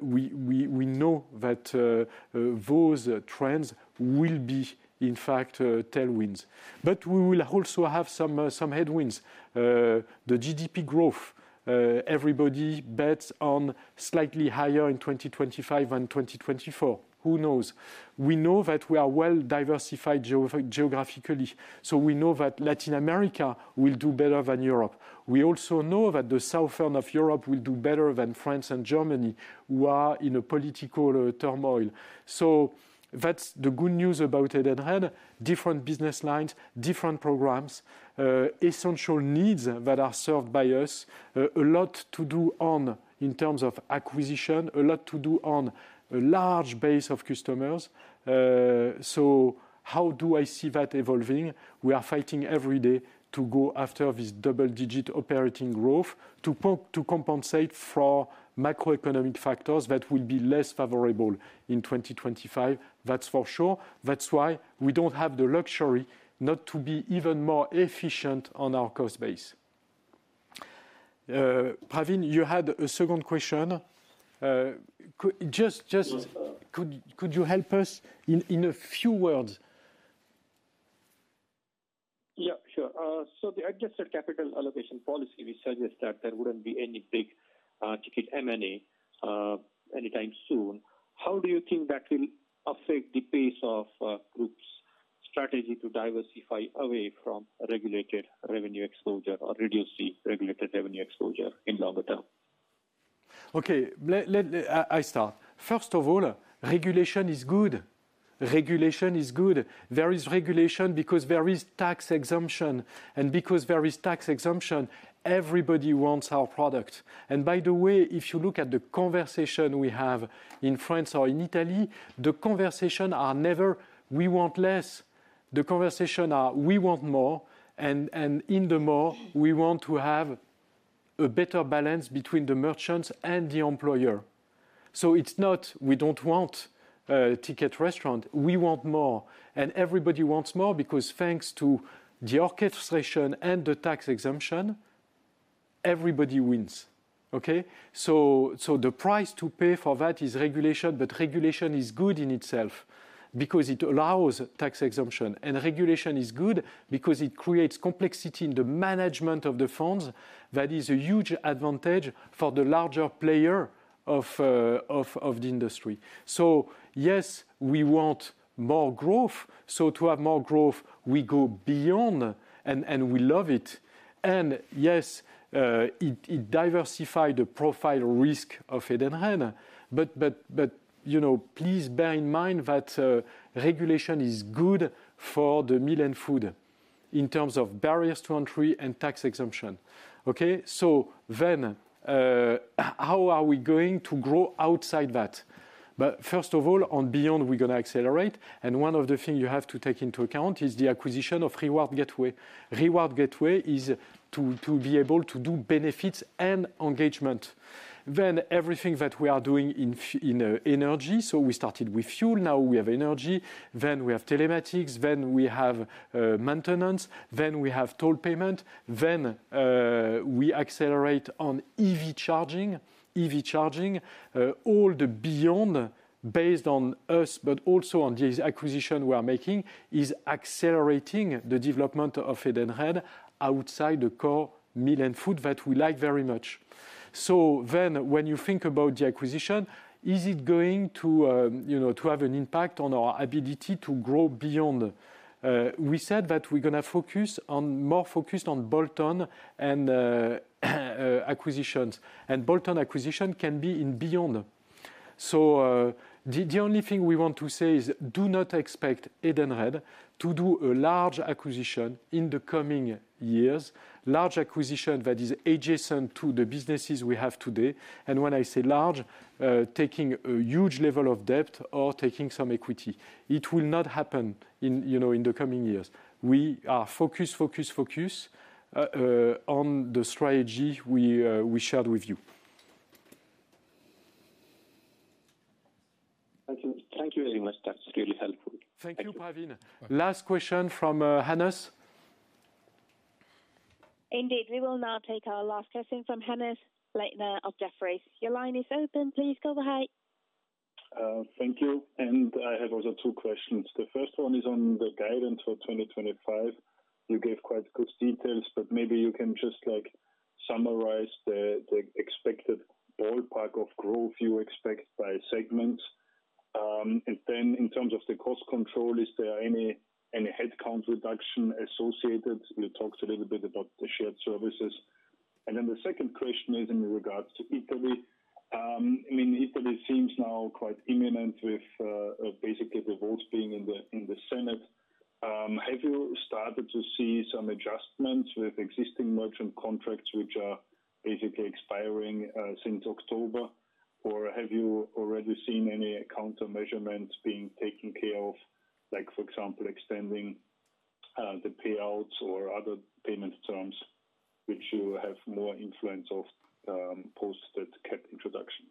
we know that those trends will be, in fact, tailwinds. But we will also have some headwinds. The GDP growth, everybody bets on slightly higher in 2025 than 2024. Who knows? We know that we are well diversified geographically. So we know that Latin America will do better than Europe. We also know that the south of Europe will do better than France and Germany, who are in a political turmoil. So that's the good news about Edenred. Different business lines, different programs, essential needs that are served by us, a lot to do on in terms of acquisition, a lot to do on a large base of customers. So how do I see that evolving? We are fighting every day to go after this double-digit operating growth to compensate for macroeconomic factors that will be less favorable in 2025. That's for sure. That's why we don't have the luxury not to be even more efficient on our cost base. Pravin, you had a second question. Just could you help us in a few words? Yeah, sure. So the adjusted capital allocation policy, we suggest that there wouldn't be any big ticket M&A anytime soon. How do you think that will affect the pace of group's strategy to diversify away from regulated revenue exposure or reduce the regulated revenue exposure in longer term? Okay. I start. First of all, regulation is good. Regulation is good. There is regulation because there is tax exemption, and because there is tax exemption, everybody wants our product, and by the way, if you look at the conversation we have in France or in Italy, the conversation are never, we want less. The conversation are, we want more, and in the more, we want to have a better balance between the merchants and the employer, so it's not we don't want Ticket Restaurant. We want more, and everybody wants more because thanks to the orchestration and the tax exemption, everybody wins. Okay? The price to pay for that is regulation, but regulation is good in itself because it allows tax exemption, and regulation is good because it creates complexity in the management of the funds. That is a huge advantage for the larger player of the industry. So yes, we want more growth. So to have more growth, we go Beyond and we love it. And yes, it diversified the profile risk of Edenred. But please bear in mind that regulation is good for the Meal and Food in terms of barriers to entry and tax exemption. Okay? So then how are we going to grow outside that? But first of all, on Beyond, we're going to accelerate. And one of the things you have to take into account is the acquisition of Reward Gateway. Reward Gateway is to be able to do Benefits and Engagement. Then everything that we are doing in energy. So we started with fuel. Now we have energy. Then we have telematics. Then we have maintenance. Then we have toll payment. Then we accelerate on EV charging. EV charging. All the Beyond based on us, but also on the acquisition we are making, is accelerating the development of Edenred outside the core Meal and Food that we like very much. So then, when you think about the acquisition, is it going to have an impact on our ability to grow Beyond? We said that we're going to focus more on bolt-on acquisitions. And bolt-on acquisition can be in Beyond. So the only thing we want to say is do not expect Edenred to do a large acquisition in the coming years, large acquisition that is adjacent to the businesses we have today. And when I say large, taking a huge level of debt or taking some equity, it will not happen in the coming years. We are focused, focused, focused on the strategy we shared with you. Thank you very much. That's really helpful. Thank you, Pravin. Last question from Hannes. Indeed. We will now take our last question from Hannes Leitner of Jefferies. Your line is open. Please go ahead. Thank you. And I have also two questions. The first one is on the guidance for 2025. You gave quite good details, but maybe you can just summarize the expected ballpark of growth you expect by segments. And then in terms of the cost control, is there any headcount reduction associated? You talked a little bit about the shared services. And then the second question is in regards to Italy. I mean, Italy seems now quite imminent with basically the votes being in the Senate. Have you started to see some adjustments with existing merchant contracts which are basically expiring since October? Or have you already seen any countermeasures being taken care of, like for example, extending the payouts or other payment terms which you have more influence of post the cap introduction?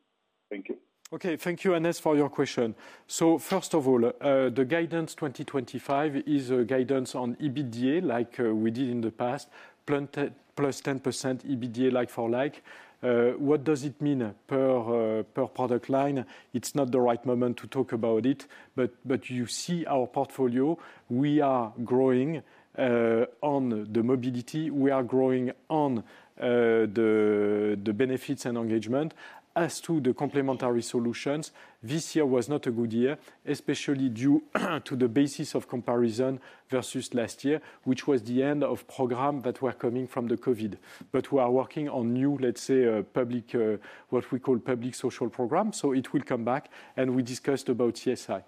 Thank you. Okay. Thank you, Hannes, for your question. So first of all, the guidance 2025 is a guidance on EBITDA like we did in the past, +10% EBITDA like for like. What does it mean per product line? It's not the right moment to talk about it, but you see our portfolio. We are growing on the Mobility. We are growing on the Benefits and Engagement as to the Complementary Solutions. This year was not a good year, especially due to the basis of comparison versus last year, which was the end of program that were coming from the COVID. But we are working on new, let's say, what we call public social program. It will come back. We discussed about CSI.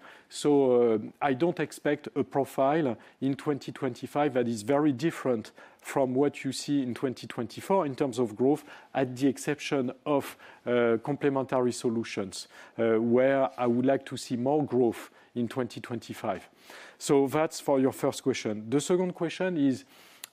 I don't expect a profile in 2025 that is very different from what you see in 2024 in terms of growth, at the exception of Complementary Solutions, where I would like to see more growth in 2025. That's for your first question. The second question is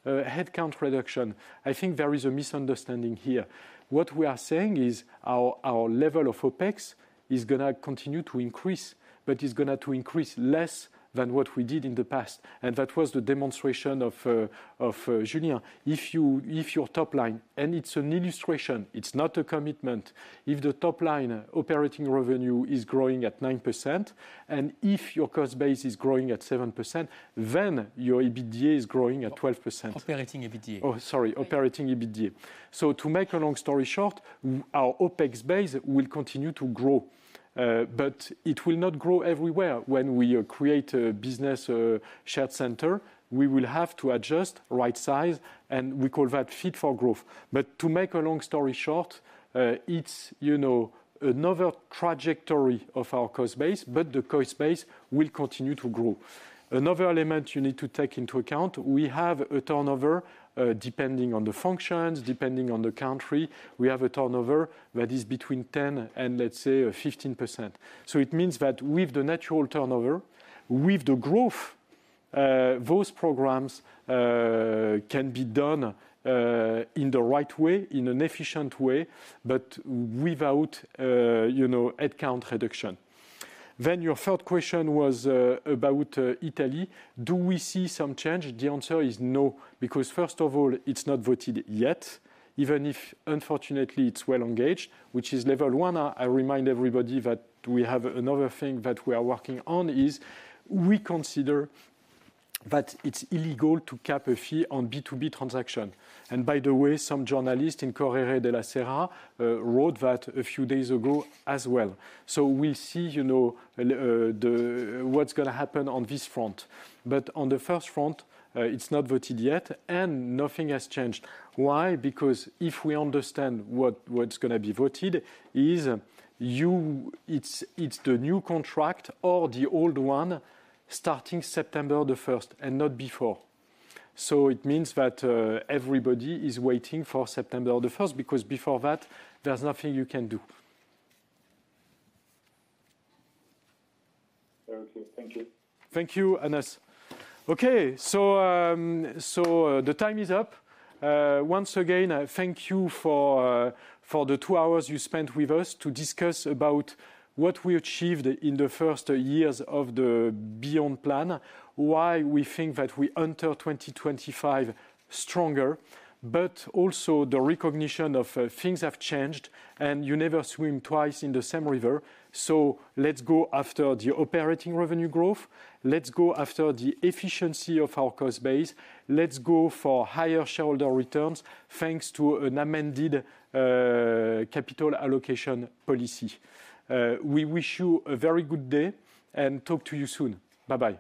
headcount reduction. I think there is a misunderstanding here. What we are saying is our level of OPEX is going to continue to increase, but it's going to increase less than what we did in the past. That was the demonstration of Julien. If your top line, and it's an illustration, it's not a commitment. If the top line operating revenue is growing at 9%, and if your cost base is growing at 7%, then your EBITDA is growing at 12%. Operating EBITDA. Oh, sorry, operating EBITDA. To make a long story short, our OPEX base will continue to grow. It will not grow everywhere. When we create a business shared center, we will have to adjust, right size, and we call that Fit for Growth. To make a long story short, it's another trajectory of our cost base, but the cost base will continue to grow. Another element you need to take into account, we have a turnover depending on the functions, depending on the country. We have a turnover that is between 10% and, let's say, 15%. It means that with the natural turnover, with the growth, those programs can be done in the right way, in an efficient way, but without headcount reduction. Your third question was about Italy. Do we see some change? The answer is no. Because first of all, it's not voted yet, even if unfortunately it's well engaged, which is level one. I remind everybody that we have another thing that we are working on is we consider that it's illegal to cap a fee on B2B transaction. And by the way, some journalists in Corriere della Sera wrote that a few days ago as well. So we'll see what's going to happen on this front. But on the first front, it's not voted yet, and nothing has changed. Why? Because if we understand what's going to be voted is it's the new contract or the old one starting September the 1st and not before. So it means that everybody is waiting for September the 1st because before that, there's nothing you can do. Thank you, Hannes. Okay. So the time is up. Once again, thank you for the two hours you spent with us to discuss about what we achieved in the first years of the Beyond Plan, why we think that we enter 2025 stronger, but also the recognition of things have changed and you never swim twice in the same river. So let's go after the operating revenue growth. Let's go after the efficiency of our cost base. Let's go for higher shareholder returns thanks to an amended capital allocation policy. We wish you a very good day and talk to you soon. Bye-bye.